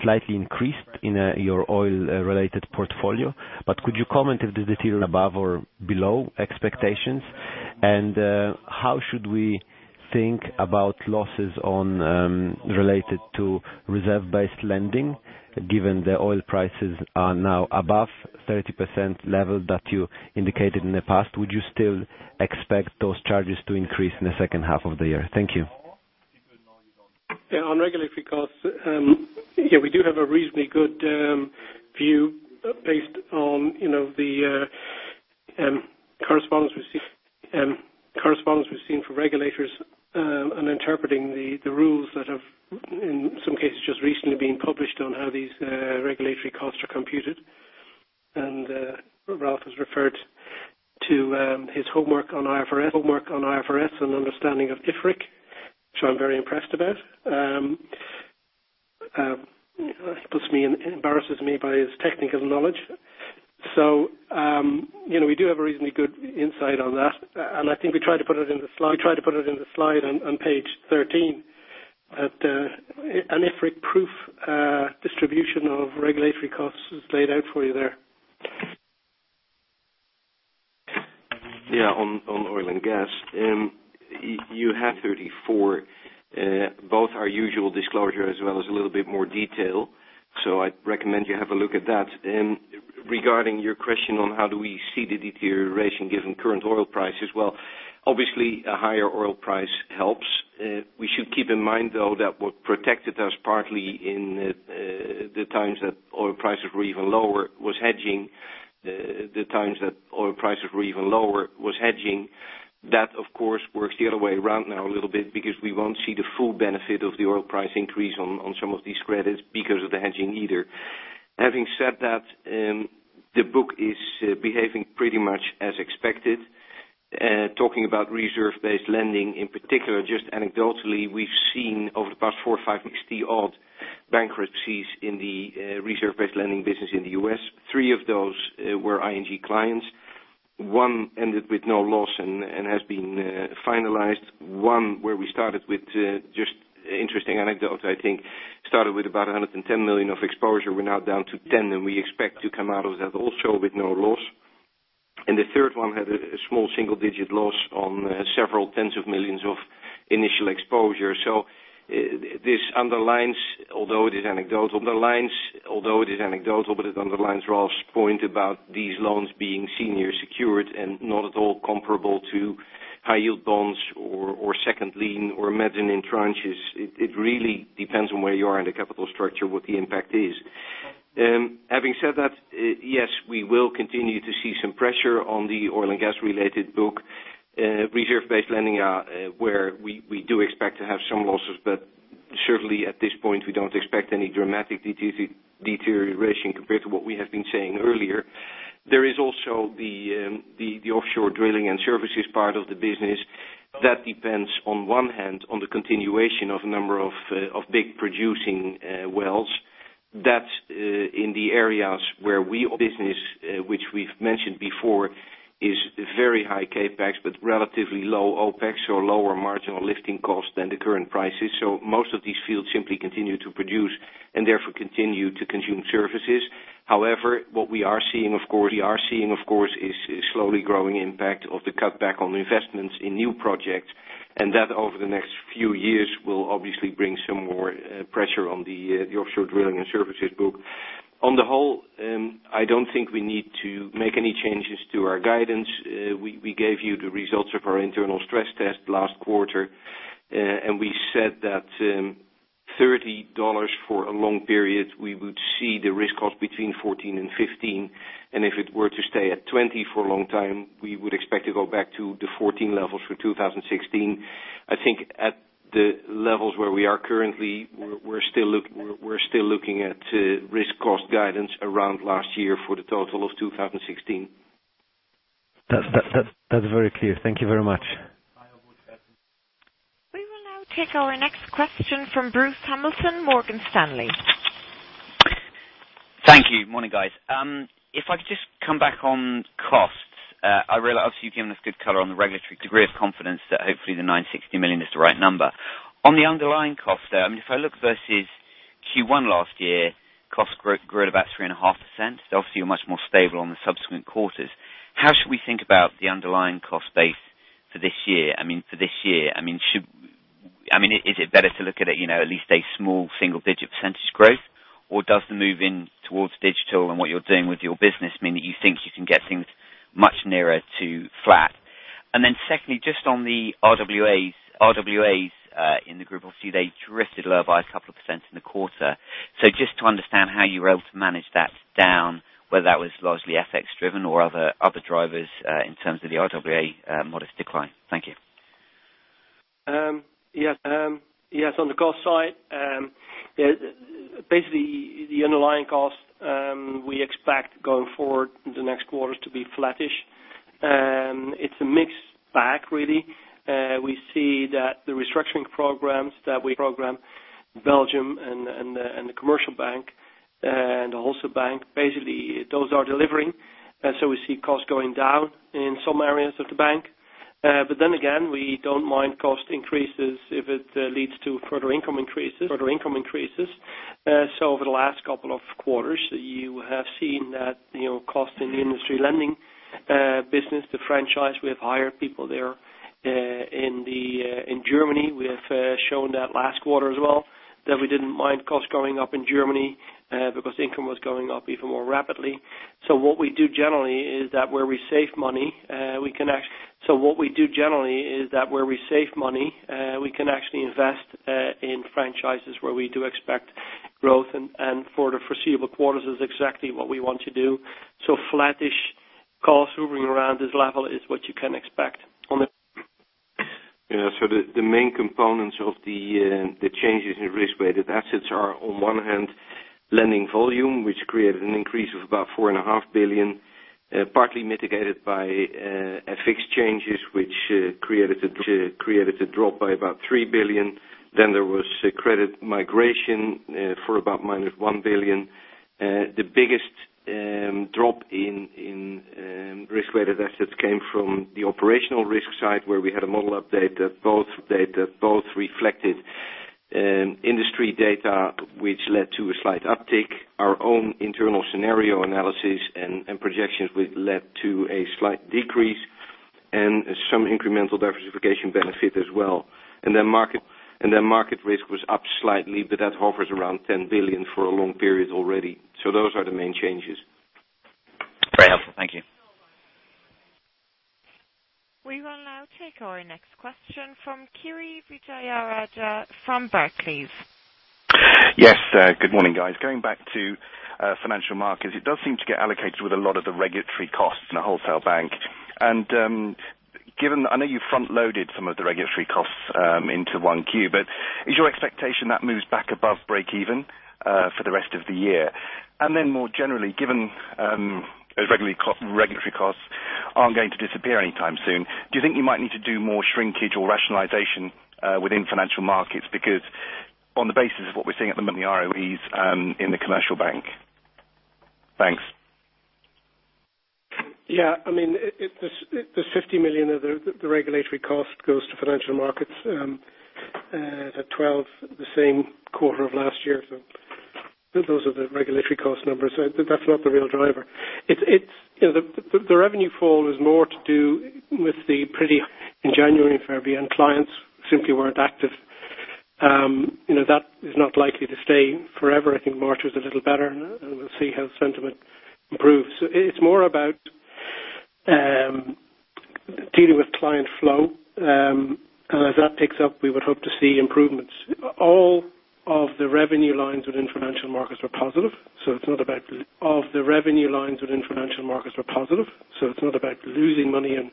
slightly increased in your oil-related portfolio. Could you comment if this is above or below expectations? How should we think about losses related to reserve-based lending, given the oil prices are now above 30% level that you indicated in the past? Would you still expect those charges to increase in the second half of the year? Thank you. Yeah, on regulatory costs, we do have a reasonably good view based on the correspondence we've seen from regulators and interpreting the rules that have, in some cases, just recently been published on how these regulatory costs are computed. Ralph has referred to his homework on IFRS and understanding of IFRIC, which I'm very impressed about. He embarrasses me by his technical knowledge. We do have a reasonably good insight on that, and I think we tried to put it in the slide on page 13. An IFRIC-proof distribution of regulatory costs is laid out for you there. Yeah, on oil and gas. You have 34, both our usual disclosure as well as a little bit more detail. I'd recommend you have a look at that. Regarding your question on how do we see the deterioration given current oil prices, well, obviously, a higher oil price helps. We should keep in mind, though, that what protected us partly in the times that oil prices were even lower was hedging. That, of course, works the other way around now a little bit because we won't see the full benefit of the oil price increase on some of these credits because of the hedging either. Having said that, the book is behaving pretty much as expected. Talking about reserve-based lending, in particular, just anecdotally, we've seen over the past four or five weeks the odd bankruptcies in the reserve-based lending business in the U.S. Three of those were ING clients. One ended with no loss and has been finalized. One, just interesting anecdote I think, started with about 110 million of exposure. We're now down to 10 million, and we expect to come out of that also with no loss. The third one had a small single-digit loss on several tens of millions of initial exposure. Although it is anecdotal, it underlines Ralph's point about these loans being senior secured and not at all comparable to high-yield bonds or second lien or mezzanine tranches. It really depends on where you are in the capital structure, what the impact is. Having said that, yes, we will continue to see some pressure on the oil and gas-related book. Reserve-based lending, where we do expect to have some losses, but certainly at this point, we don't expect any dramatic deterioration compared to what we have been saying earlier. There is also the offshore drilling and services part of the business. That depends, on one hand, on the continuation of a number of big producing wells. That's in the areas where we do business which we've mentioned before, is very high CapEx but relatively low OpEx, lower marginal lifting costs than the current prices. Most of these fields simply continue to produce and therefore continue to consume services. However, what we are seeing, of course, is slowly growing impact of the cutback on investments in new projects, and that over the next few years will obviously bring some more pressure on the offshore drilling and services book. I don't think we need to make any changes to our guidance. We gave you the results of our internal stress test last quarter. We said that EUR 30 for a long period, we would see the risk cost between 14 and 15. If it were to stay at 20 for a long time, we would expect to go back to the 14 levels for 2016. I think at the levels where we are currently, we're still looking at risk cost guidance around last year for the total of 2016. That's very clear. Thank you very much. We will now take our next question from Bruce Hamilton, Morgan Stanley. Thank you. Morning, guys. If I could just come back on costs. Obviously, you've given us good color on the regulatory degree of confidence that hopefully the 960 million is the right number. On the underlying cost there, if I look versus Q1 last year, cost growth grew at about 3.5%. Obviously, you're much more stable on the subsequent quarters. How should we think about the underlying cost base for this year? Is it better to look at it, at least a small single-digit percentage growth, or does the move in towards digital and what you're doing with your business mean that you think you can get things much nearer to flat? Secondly, just on the RWAs in the group. Obviously, they drifted lower by a couple of percent in the quarter. Just to understand how you were able to manage that down, whether that was largely FX driven or other drivers in terms of the RWA modest decline. Thank you. Yes. On the cost side, basically the underlying cost we expect going forward in the next quarters to be flattish. It's a mixed bag, really. We see that the restructuring programs that we Belgium and the commercial bank and the wholesale bank. Those are delivering, we see costs going down in some areas of the bank. We don't mind cost increases if it leads to further income increases. Over the last couple of quarters, you have seen that costs in the industry lending business, the franchise, we have hired people there. In Germany, we have shown that last quarter as well, that we didn't mind costs going up in Germany because income was going up even more rapidly. What we do generally is that where we save money, we can actually invest in franchises where we do expect growth, and for the foreseeable quarters is exactly what we want to do. Flat-ish costs hovering around this level is what you can expect. Yeah. The main components of the changes in risk-weighted assets are, on one hand, lending volume, which created an increase of about 4.5 billion, partly mitigated by FX changes, which created a drop by about 3 billion. There was credit migration for about minus 1 billion. The biggest drop in risk-weighted assets came from the operational risk side, where we had a model update that both reflected industry data, which led to a slight uptick. Our own internal scenario analysis and projections led to a slight decrease, and some incremental diversification benefit as well. Market risk was up slightly, but that hovers around 10 billion for a long period already. Those are the main changes. Very helpful. Thank you. We will now take our next question from Kirishanthan Vijayarajah from Barclays. Yes. Good morning, guys. Going back to financial markets, it does seem to get allocated with a lot of the regulatory costs in the wholesale bank. I know you front-loaded some of the regulatory costs into 1 Q, but is your expectation that moves back above break even for the rest of the year? More generally, given those regulatory costs aren't going to disappear anytime soon, do you think you might need to do more shrinkage or rationalization within financial markets? Because on the basis of what we're seeing at the moment, the ROEs in the commercial bank. Thanks. Yeah. The 50 million of the regulatory cost goes to financial markets at 12, the same quarter of last year. Those are the regulatory cost numbers. That's not the real driver. The revenue fall is more to do with the pretty in January and February. Clients simply weren't active. That is not likely to stay forever. I think March was a little better, and we'll see how sentiment improves. It's more about dealing with client flow. As that picks up, we would hope to see improvements. All of the revenue lines within financial markets were positive, so it's not about losing money and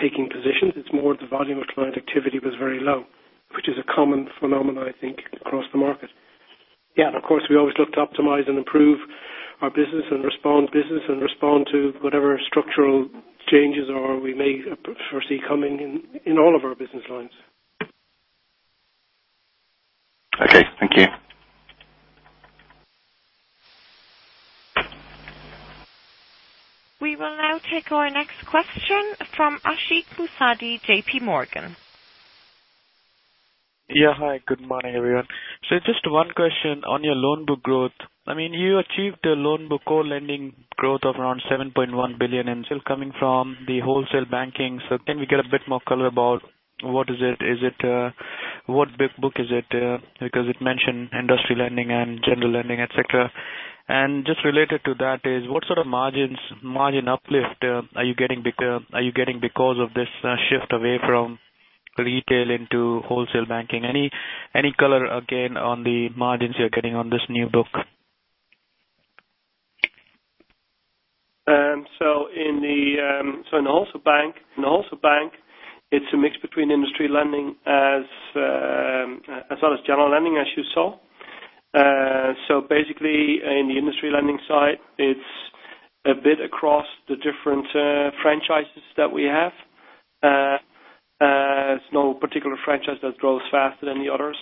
taking positions. It's more the volume of client activity was very low, which is a common phenomenon, I think, across the market. Yeah, of course, we always look to optimize and improve our business and respond to whatever structural changes we may foresee coming in all of our business lines. Okay, thank you. We will now take our next question from Ashik Musaddi, J.P. Morgan. Yeah, hi. Good morning, everyone. Just one question on your loan book growth. You achieved a loan book core lending growth of around 7.1 billion. Still coming from the wholesale banking. Can we get a bit more color about what is it? What book is it? Because it mentioned industry lending and general lending, et cetera. Just related to that is what sort of margin uplift are you getting because of this shift away from retail into wholesale banking? Any color again on the margins you're getting on this new book? In the wholesale bank, it's a mix between industry lending as well as general lending, as you saw. In the industry lending side, it's a bit across the different franchises that we have. There's no particular franchise that grows faster than the others.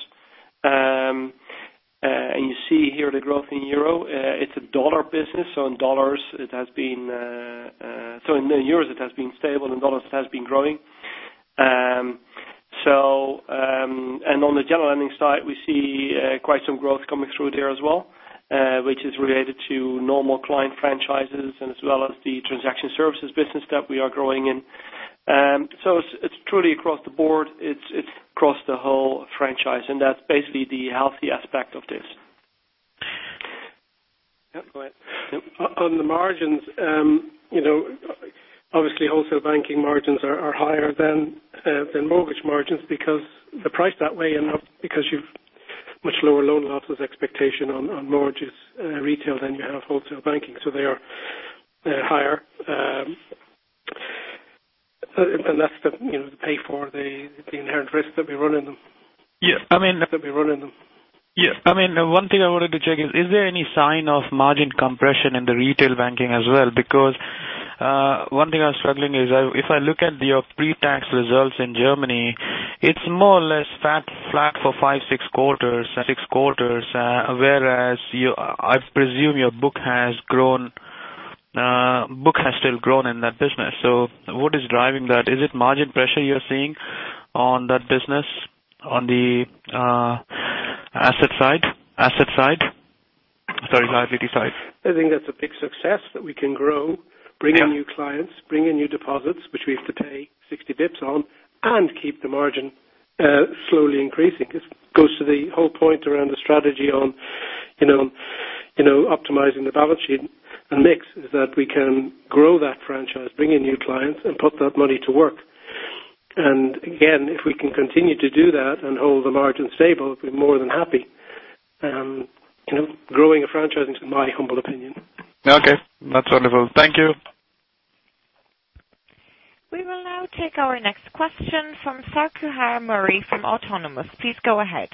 You see here the growth in EUR. It's a dollar business, so in EUR it has been stable, in USD it has been growing. On the general lending side, we see quite some growth coming through there as well, which is related to normal client franchises and as well as the transaction services business that we are growing in. It's truly across the board. It's across the whole franchise. That's basically the healthy aspect of this. Yeah, go ahead. On the margins, obviously wholesale banking margins are higher than mortgage margins because they're priced that way and not because you've much lower loan losses expectation on mortgages retail than you have wholesale banking. They are higher, and that's to pay for the inherent risk that we run in them. Yeah. One thing I wanted to check is there any sign of margin compression in the retail banking as well? One thing I'm struggling is, if I look at your pre-tax results in Germany, it's more or less flat for five, six quarters. Whereas, I presume your book has still grown in that business. What is driving that? Is it margin pressure you're seeing on that business, on the asset side? Sorry, liability side. I think that's a big success that we can grow. Yeah bring in new clients, bring in new deposits, which we have to pay 60 basis points on, keep the margin slowly increasing. It goes to the whole point around the strategy on optimizing the balance sheet mix, is that we can grow that franchise, bring in new clients, and put that money to work. Again, if we can continue to do that and hold the margin stable, we're more than happy. Growing a franchise is my humble opinion. Okay. That's wonderful. Thank you. We will now take our next question from Saku Harjumaa from Autonomous. Please go ahead.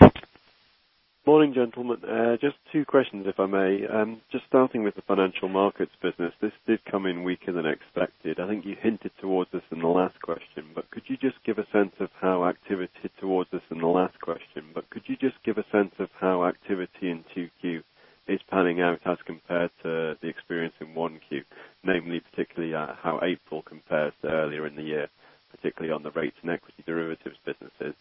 Morning, gentlemen. Just two questions, if I may. Just starting with the financial markets business. This did come in weaker than expected. I think you hinted towards this in the last question, but could you just give a sense of how activity in 2Q is panning out as compared to the experience in 1Q? Namely, particularly how April compares to earlier in the year, particularly on the rates and equity derivatives businesses.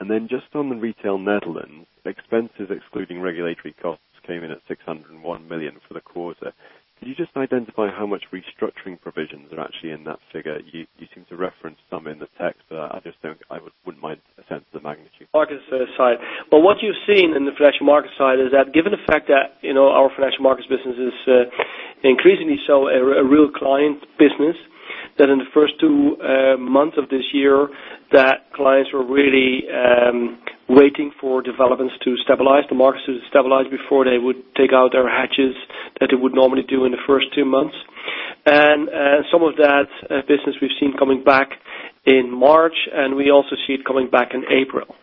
Then just on the retail Netherlands, expenses excluding regulatory costs came in at 601 million for the quarter. Could you just identify how much restructuring provisions are actually in that figure? You seem to reference some in the text, but I wouldn't mind a sense of the magnitude. Markets side. Well, what you've seen in the financial markets side is that given the fact that our financial markets business is increasingly so a real client business, that in the first two months of this year that clients were really waiting for developments to stabilize, the markets to stabilize before they would take out their hedges that they would normally do in the first two months. Some of that business we've seen coming back in March, we also see it coming back in April.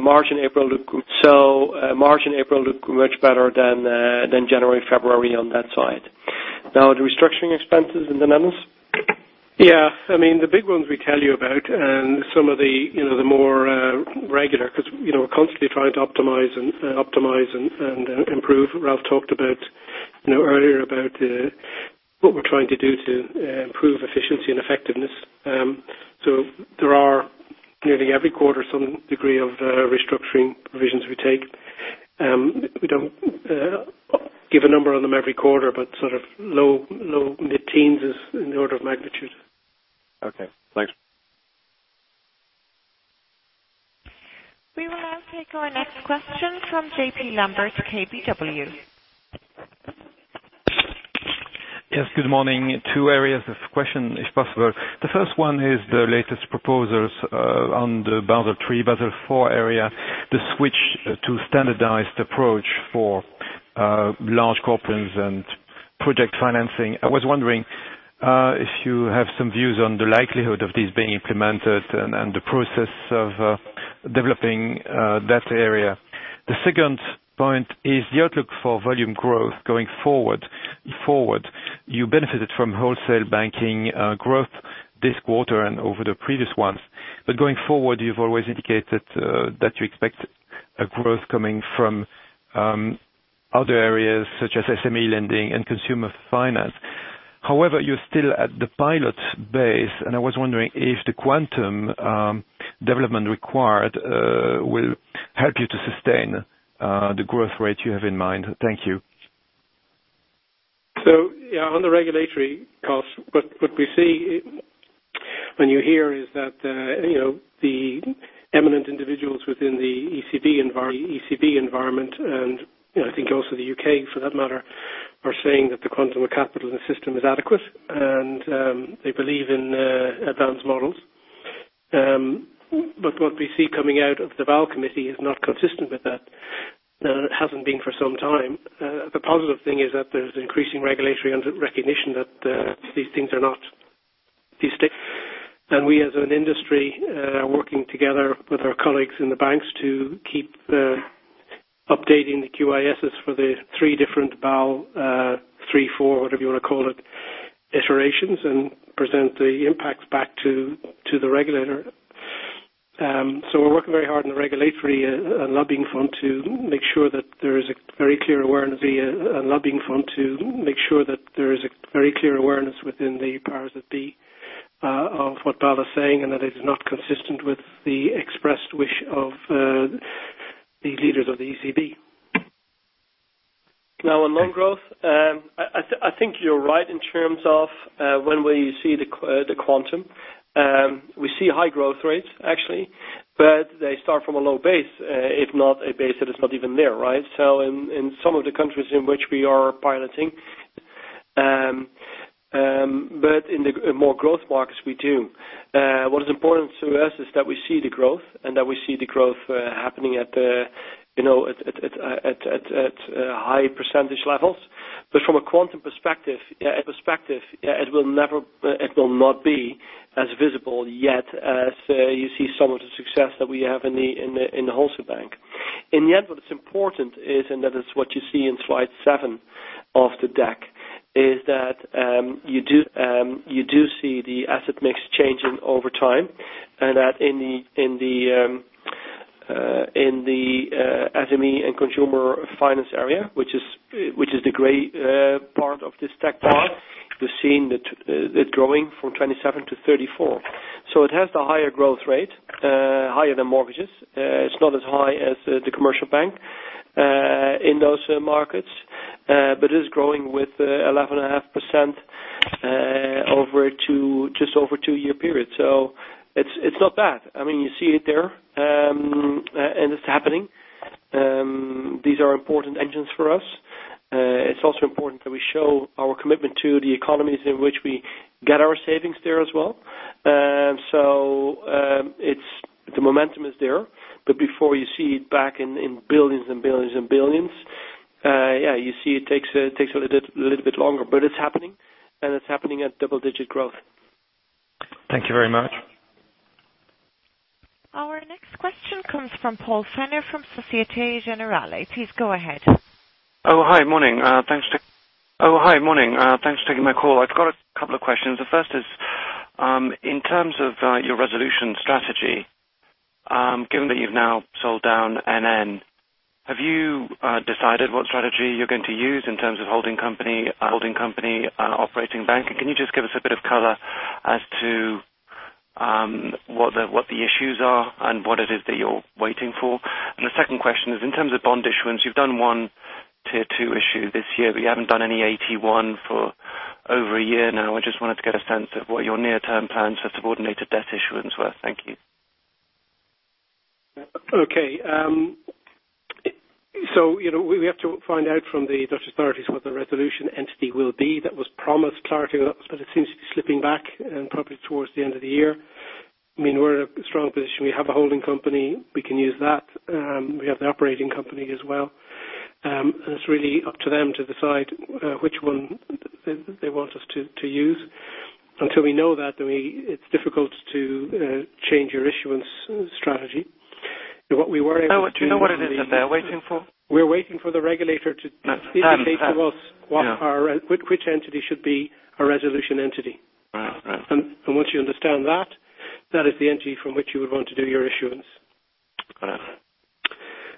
March and April look much better than January, February on that side. The restructuring expenses in the Netherlands. Yeah. The big ones we tell you about and some of the more regular, because we're constantly trying to optimize and improve. Ralph talked earlier about what we're trying to do to improve efficiency and effectiveness. There are nearly every quarter, some degree of restructuring provisions we take. We don't give a number on them every quarter, but sort of low mid-teens is in the order of magnitude. Okay, thanks. We will now take our next question from J.P. Lambert, Keefe, Bruyette & Woods. Yes, good morning. Two areas of question, if possible. The first one is the latest proposals on the Basel III, Basel IV area, the switch to standardized approach for large corporates and project financing. I was wondering if you have some views on the likelihood of this being implemented and the process of developing that area. The second point is the outlook for volume growth going forward. You benefited from wholesale banking growth this quarter and over the previous ones. Going forward, you've always indicated that you expect a growth coming from other areas such as SME lending and consumer finance. However, you're still at the pilot base, and I was wondering if the quantum development required will help you to sustain the growth rate you have in mind. Thank you. Yeah, on the regulatory cost, what we see when you hear is that the eminent individuals within the ECB environment, and I think also the U.K. for that matter, are saying that the quantum of capital in the system is adequate, and they believe in advanced models. What we see coming out of the Basel Committee is not consistent with that, and it hasn't been for some time. The positive thing is that there's increasing regulatory recognition that these things are not distinct, and we as an industry are working together with our colleagues in the banks to keep updating the QISs for the three different Basel three, four, whatever you want to call it, iterations, and present the impacts back to the regulator. We're working very hard on the regulatory and lobbying front to make sure that there is a very clear awareness within the powers that be of what Basel is saying and that it is not consistent with the expressed wish of the leaders of the ECB. Now on loan growth, I think you're right in terms of when will you see the quantum. We see high growth rates, actually, but they start from a low base, if not a base that is not even there, right? In some of the countries in which we are piloting. In the more growth markets we do. What is important to us is that we see the growth and that we see the growth happening at high percentage levels. From a quantum perspective, it will not be as visible yet as you see some of the success that we have in the Wholesale Bank. In the end, what is important is, and that is what you see in slide seven of the deck, is that you do see the asset mix changing over time, and that in the SME and consumer finance area, which is the gray part of this stack chart. We're seeing that it's growing from 27 to 34. It has the higher growth rate, higher than mortgages. It's not as high as the commercial bank in those markets, but it is growing with 11.5% just over a two-year period. It's not bad. You see it there, and it's happening. These are important engines for us. It's also important that we show our commitment to the economies in which we get our savings there as well. The momentum is there, but before you see it back in billions and billions and billions, you see it takes a little bit longer, but it's happening and it's happening at double-digit growth. Thank you very much. Our next question comes from Paul Fenner from Societe Generale. Please go ahead. Hi, morning. Thanks for taking my call. I've got a couple of questions. The first is, in terms of your resolution strategy, given that you've now sold down NN, have you decided what strategy you're going to use in terms of holding company, operating bank? Can you just give us a bit of color as to what the issues are and what it is that you're waiting for? The second question is, in terms of bond issuance, you've done one Tier 2 issue this year, but you haven't done any AT1 for over a year now. I just wanted to get a sense of what your near-term plans for subordinated debt issuance were. Thank you. We have to find out from the Dutch authorities what the resolution entity will be. That was promised clarity on that, but it seems to be slipping back and probably towards the end of the year. We're in a strong position. We have a holding company, we can use that. We have the operating company as well. It's really up to them to decide which one they want us to use. Until we know that, it's difficult to change your issuance strategy. What we were- Do you know what it is that they're waiting for? We're waiting for the regulator to- Yes indicate to us which entity should be a resolution entity. Right. Once you understand that is the entity from which you would want to do your issuance. Right.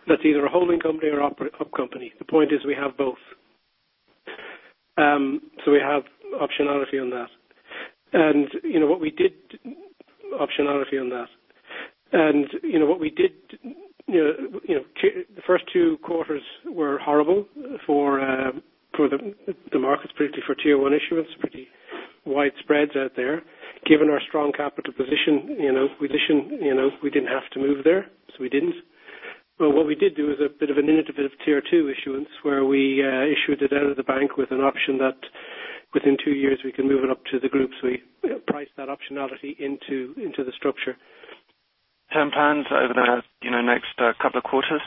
That's either a holding company or op company. The point is we have both. We have optionality on that. The first two quarters were horrible for the markets, particularly for Tier 1 issuance, pretty wide spreads out there. Given our strong capital position, we didn't have to move there, so we didn't. But what we did do is a bit of an innovative Tier 2 issuance where we issued it out of the bank with an option that within two years we can move it up to the group. We priced that optionality into the structure. Plans over the next couple of quarters?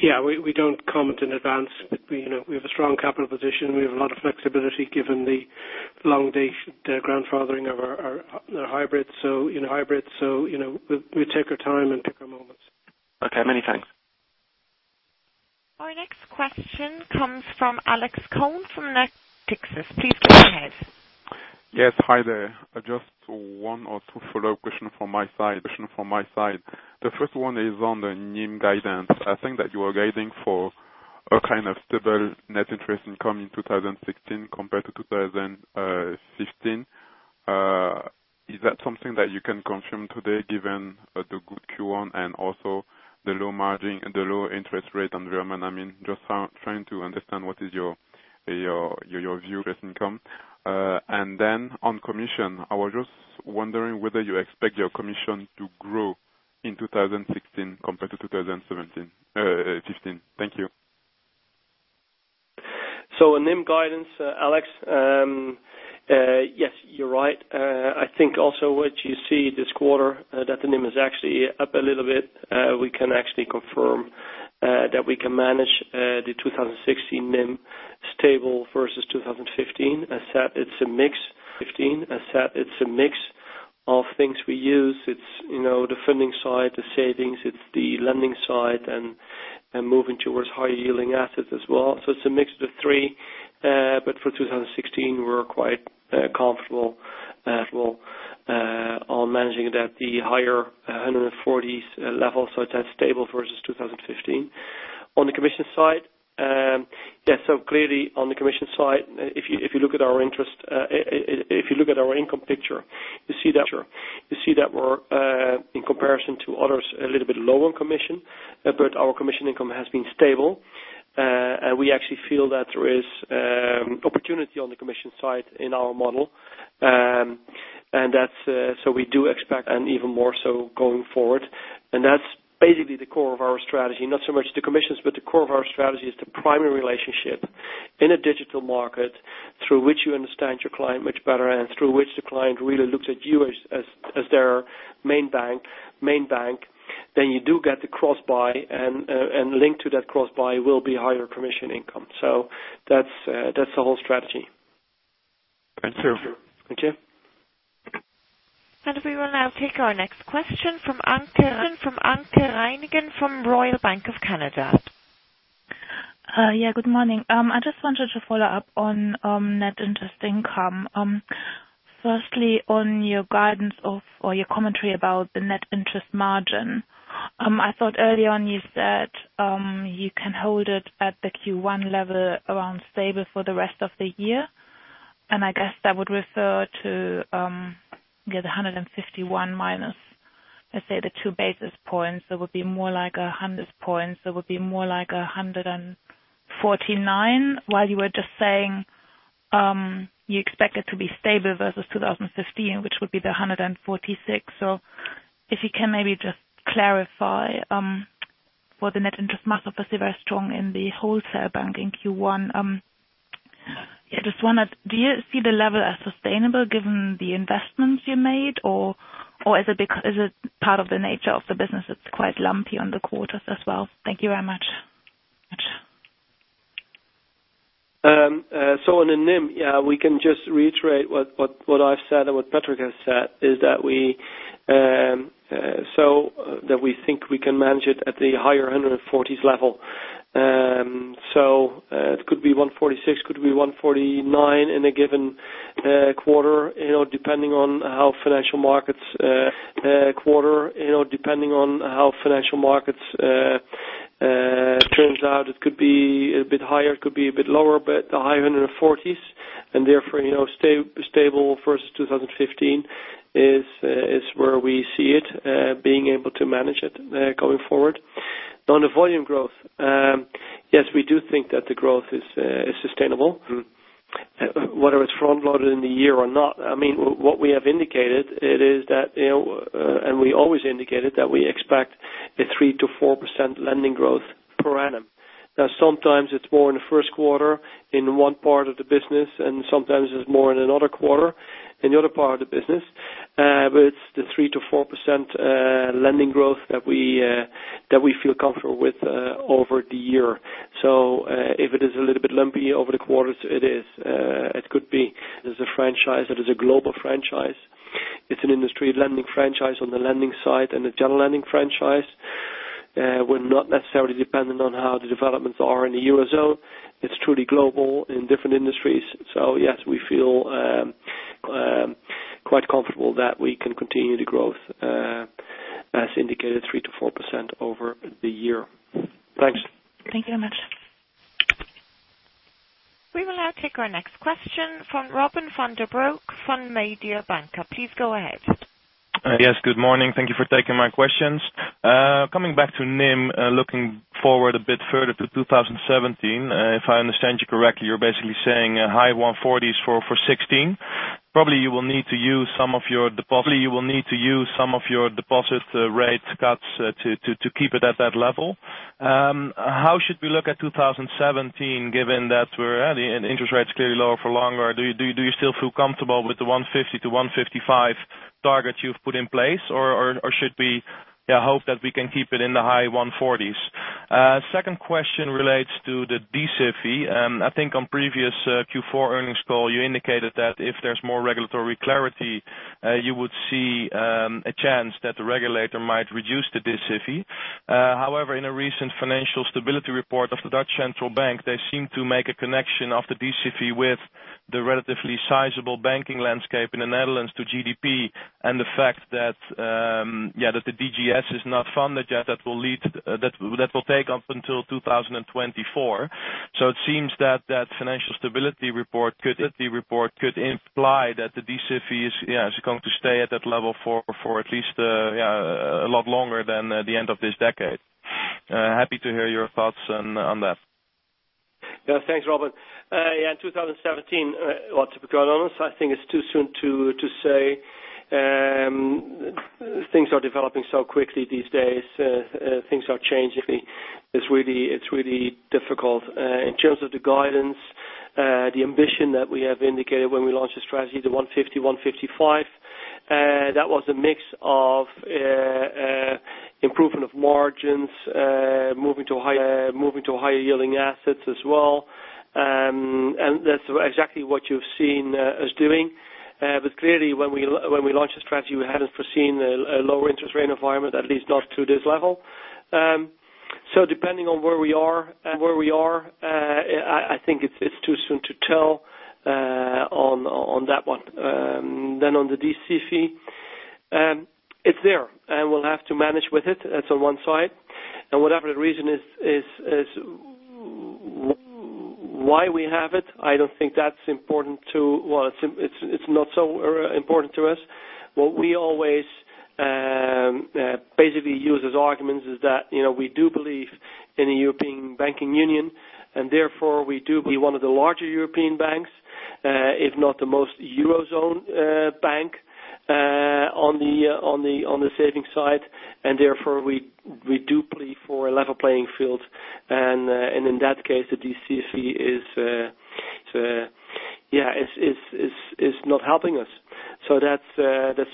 Yeah, we don't comment in advance. We have a strong capital position. We have a lot of flexibility given the long date grandfathering of our hybrid. We take our time and pick our moments. Okay, many thanks. Our next question comes from Alex Koagne from Natixis. Please go ahead. Yes, hi there. Just one or two follow-up question from my side. The first one is on the NIM guidance. I think that you are guiding for a kind of stable net interest income in 2016 compared to 2015. Is that something that you can confirm today given the good Q1 and also the low margin and the low interest rate environment? I mean, just trying to understand what is your view, best income. Then on commission, I was just wondering whether you expect your commission to grow in 2016 compared to 2015. Thank you. On NIM guidance, Alex, yes, you're right. What you see this quarter, that the NIM is actually up a little bit. We can actually confirm that we can manage the 2016 NIM stable versus 2015, as that it's a mix of things we use. It's the funding side, the savings, it's the lending side and moving towards higher yielding assets as well. It's a mix of the three. For 2016, we're quite comfortable on managing it at the higher 140s level, so it's at stable versus 2015. On the commission side. Clearly on the commission side, if you look at our income picture, you see that we're, in comparison to others, a little bit low on commission. Our commission income has been stable. We actually feel that there is opportunity on the commission side in our model. We do expect an even more so going forward. That's basically the core of our strategy, not so much the commissions, but the core of our strategy is the primary relationship in a digital market through which you understand your client much better and through which the client really looks at you as their main bank, then you do get the cross-buy, and linked to that cross-buy will be higher commission income. That's the whole strategy. True. Thank you. We will now take our next question from Anke Reingen from Royal Bank of Canada. Good morning. I just wanted to follow up on net interest income. Firstly, on your guidance or your commentary about the net interest margin. I thought early on you said, you can hold it at the Q1 level around stable for the rest of the year, and I guess that would refer to the 151 minus, let's say, the 2 basis points. That would be more like 100 points. That would be more like 149, while you were just saying, you expect it to be stable versus 2015, which would be the 146. If you can maybe just clarify, for the net interest margin was very strong in the wholesale bank in Q1. Do you see the level as sustainable given the investments you made or is it part of the nature of the business that's quite lumpy on the quarters as well? Thank you very much. On the NIM, we can just reiterate what I've said and what Patrick has said, is that we think we can manage it at the higher 140s level. It could be 146, it could be 149 in a given quarter, depending on how financial markets turns out. It could be a bit higher, it could be a bit lower, but the high 140s and therefore stable versus 2015 is where we see it, being able to manage it, going forward. On the volume growth. Yes, we do think that the growth is sustainable. Whether it's front-loaded in the year or not. We always indicated that we expect a 3%-4% lending growth per annum. Sometimes it's more in the first quarter in one part of the business, and sometimes it's more in another quarter in the other part of the business. It's the 3%-4% lending growth that we feel comfortable with over the year. If it is a little bit lumpy over the quarters, it is. It could be. There's a franchise that is a global franchise. It's an industry lending franchise on the lending side and a general lending franchise. We're not necessarily dependent on how the developments are in the Eurozone. It's truly global in different industries. Yes, we feel quite comfortable that we can continue the growth, as indicated, 3%-4% over the year. Thanks. Thank you very much. We will now take our next question from Robin van den Broek from Mediobanca. Please go ahead. Yes, good morning. Thank you for taking my questions. Coming back to NIM, looking forward a bit further to 2017. If I understand you correctly, you're basically saying a high 140s for 2016. Probably, you will need to use some of your deposit rate cuts to keep it at that level. How should we look at 2017 given that we're at an interest rates clearly lower for longer? Do you still feel comfortable with the 150 to 155 targets you've put in place or should we hope that we can keep it in the high 140s? Second question relates to the DC fee. I think on previous Q4 earnings call, you indicated that if there's more regulatory clarity, you would see a chance that the regulator might reduce the DC fee. In a recent financial stability report of the Dutch Central Bank, they seem to make a connection of the DC fee with the relatively sizable banking landscape in the Netherlands to GDP and the fact that the DGS is not funded yet. That will take up until 2024. It seems that that financial stability report could imply that the DC fee is going to stay at that level for at least a lot longer than the end of this decade. Happy to hear your thoughts on that. Thanks, Robin. In 2017, lots of going on. I think it's too soon to say. Things are developing so quickly these days. Things are changing. It's really difficult. In terms of the guidance, the ambition that we have indicated when we launched the strategy, the 150, 155. That was a mix of improvement of margins, moving to higher yielding assets as well. Clearly when we launched the strategy, we hadn't foreseen a lower interest rate environment, at least not to this level. Depending on where we are, I think it's too soon to tell on that one. On the DC fee. It's there, and we'll have to manage with it. That's on one side. Whatever the reason is why we have it's not so important to us. What we always basically use as arguments is that, we do believe in a European banking union, and therefore we do be one of the larger European banks, if not the most Eurozone bank, on the saving side. Therefore we do plea for a level playing field. In that case, the DC fee is not helping us. That's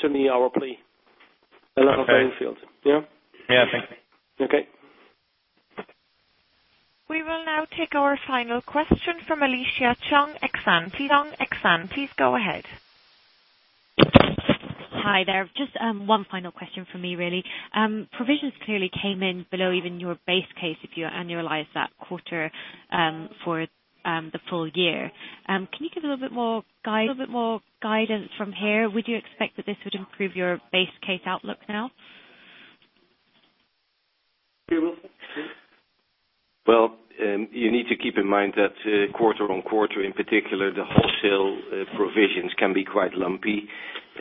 certainly our plea. A level playing field. Yeah. Thank you. Okay. We will now take our final question from Alicia Chung, Exane. Alicia Chung, please go ahead. Hi there. Just one final question from me, really. Provisions clearly came in below even your base case if you annualize that quarter for the full year. Can you give a little bit more guidance from here? Would you expect that this would improve your base case outlook now? Well, you need to keep in mind that quarter on quarter, in particular, the wholesale provisions can be quite lumpy.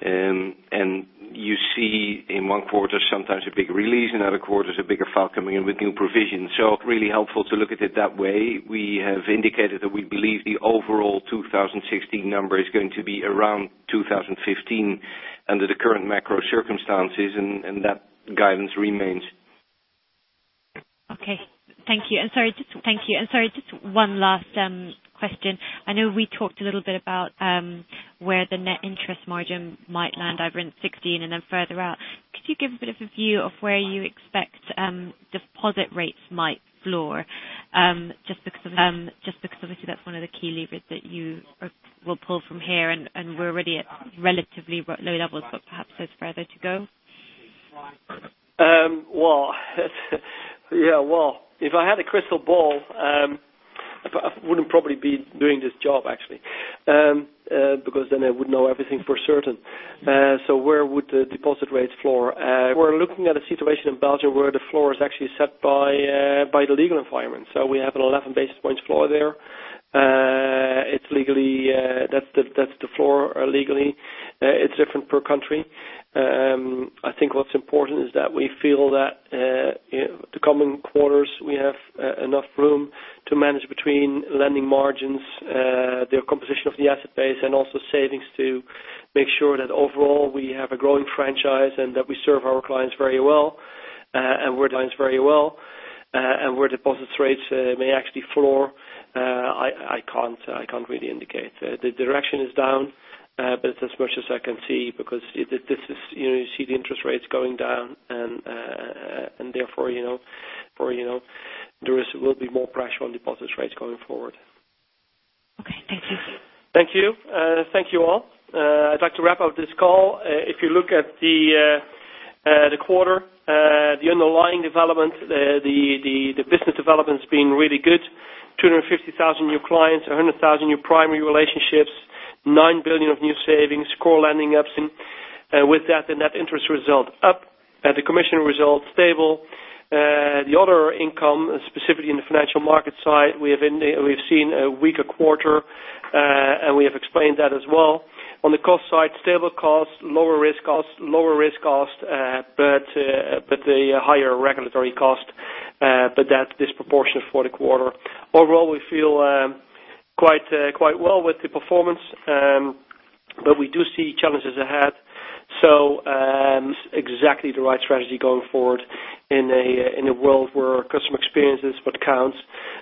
You see in one quarter, sometimes a big release, another quarter is a bigger file coming in with new provisions, really helpful to look at it that way. We have indicated that we believe the overall 2016 number is going to be around 2015 under the current macro circumstances, and that guidance remains. Sorry, just one last question. I know we talked a little bit about where the net interest margin might land over in 2016 and then further out. Could you give a bit of a view of where you expect deposit rates might floor? Just because obviously that's one of the key levers that you will pull from here, and we're already at relatively low levels, but perhaps there's further to go. Well, if I had a crystal ball, I wouldn't probably be doing this job, actually, because then I would know everything for certain. Where would the deposit rates floor? We're looking at a situation in Belgium where the floor is actually set by the legal environment. We have an 11 basis points floor there. That's the floor legally. It's different per country. I think what's important is that we feel that the coming quarters, we have enough room to manage between lending margins, the composition of the asset base, and also savings to make sure that overall we have a growing franchise and that we serve our clients very well. Where deposit rates may actually floor, I can't really indicate. The direction is down, but it's as much as I can see because you see the interest rates going down and therefore, there will be more pressure on deposit rates going forward. Okay. Thank you. Thank you. Thank you all. I'd like to wrap up this call. If you look at the quarter, the underlying development, the business development's been really good. 250,000 new clients, 100,000 new primary relationships, 9 billion of new savings, core lending ups, and with that, the net interest result up, the commission result stable. The other income, specifically in the financial market side, we've seen a weaker quarter, and we have explained that as well. On the cost side, stable cost, lower risk cost, but a higher regulatory cost. That's disproportionate for the quarter. Overall, we feel quite well with the performance, but we do see challenges ahead. This is exactly the right strategy going forward in a world where customer experience is what counts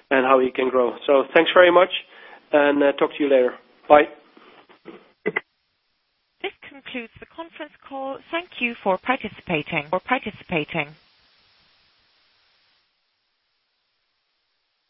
and how we can grow. Thanks very much, and talk to you later. Bye. This concludes the conference call. Thank you for participating.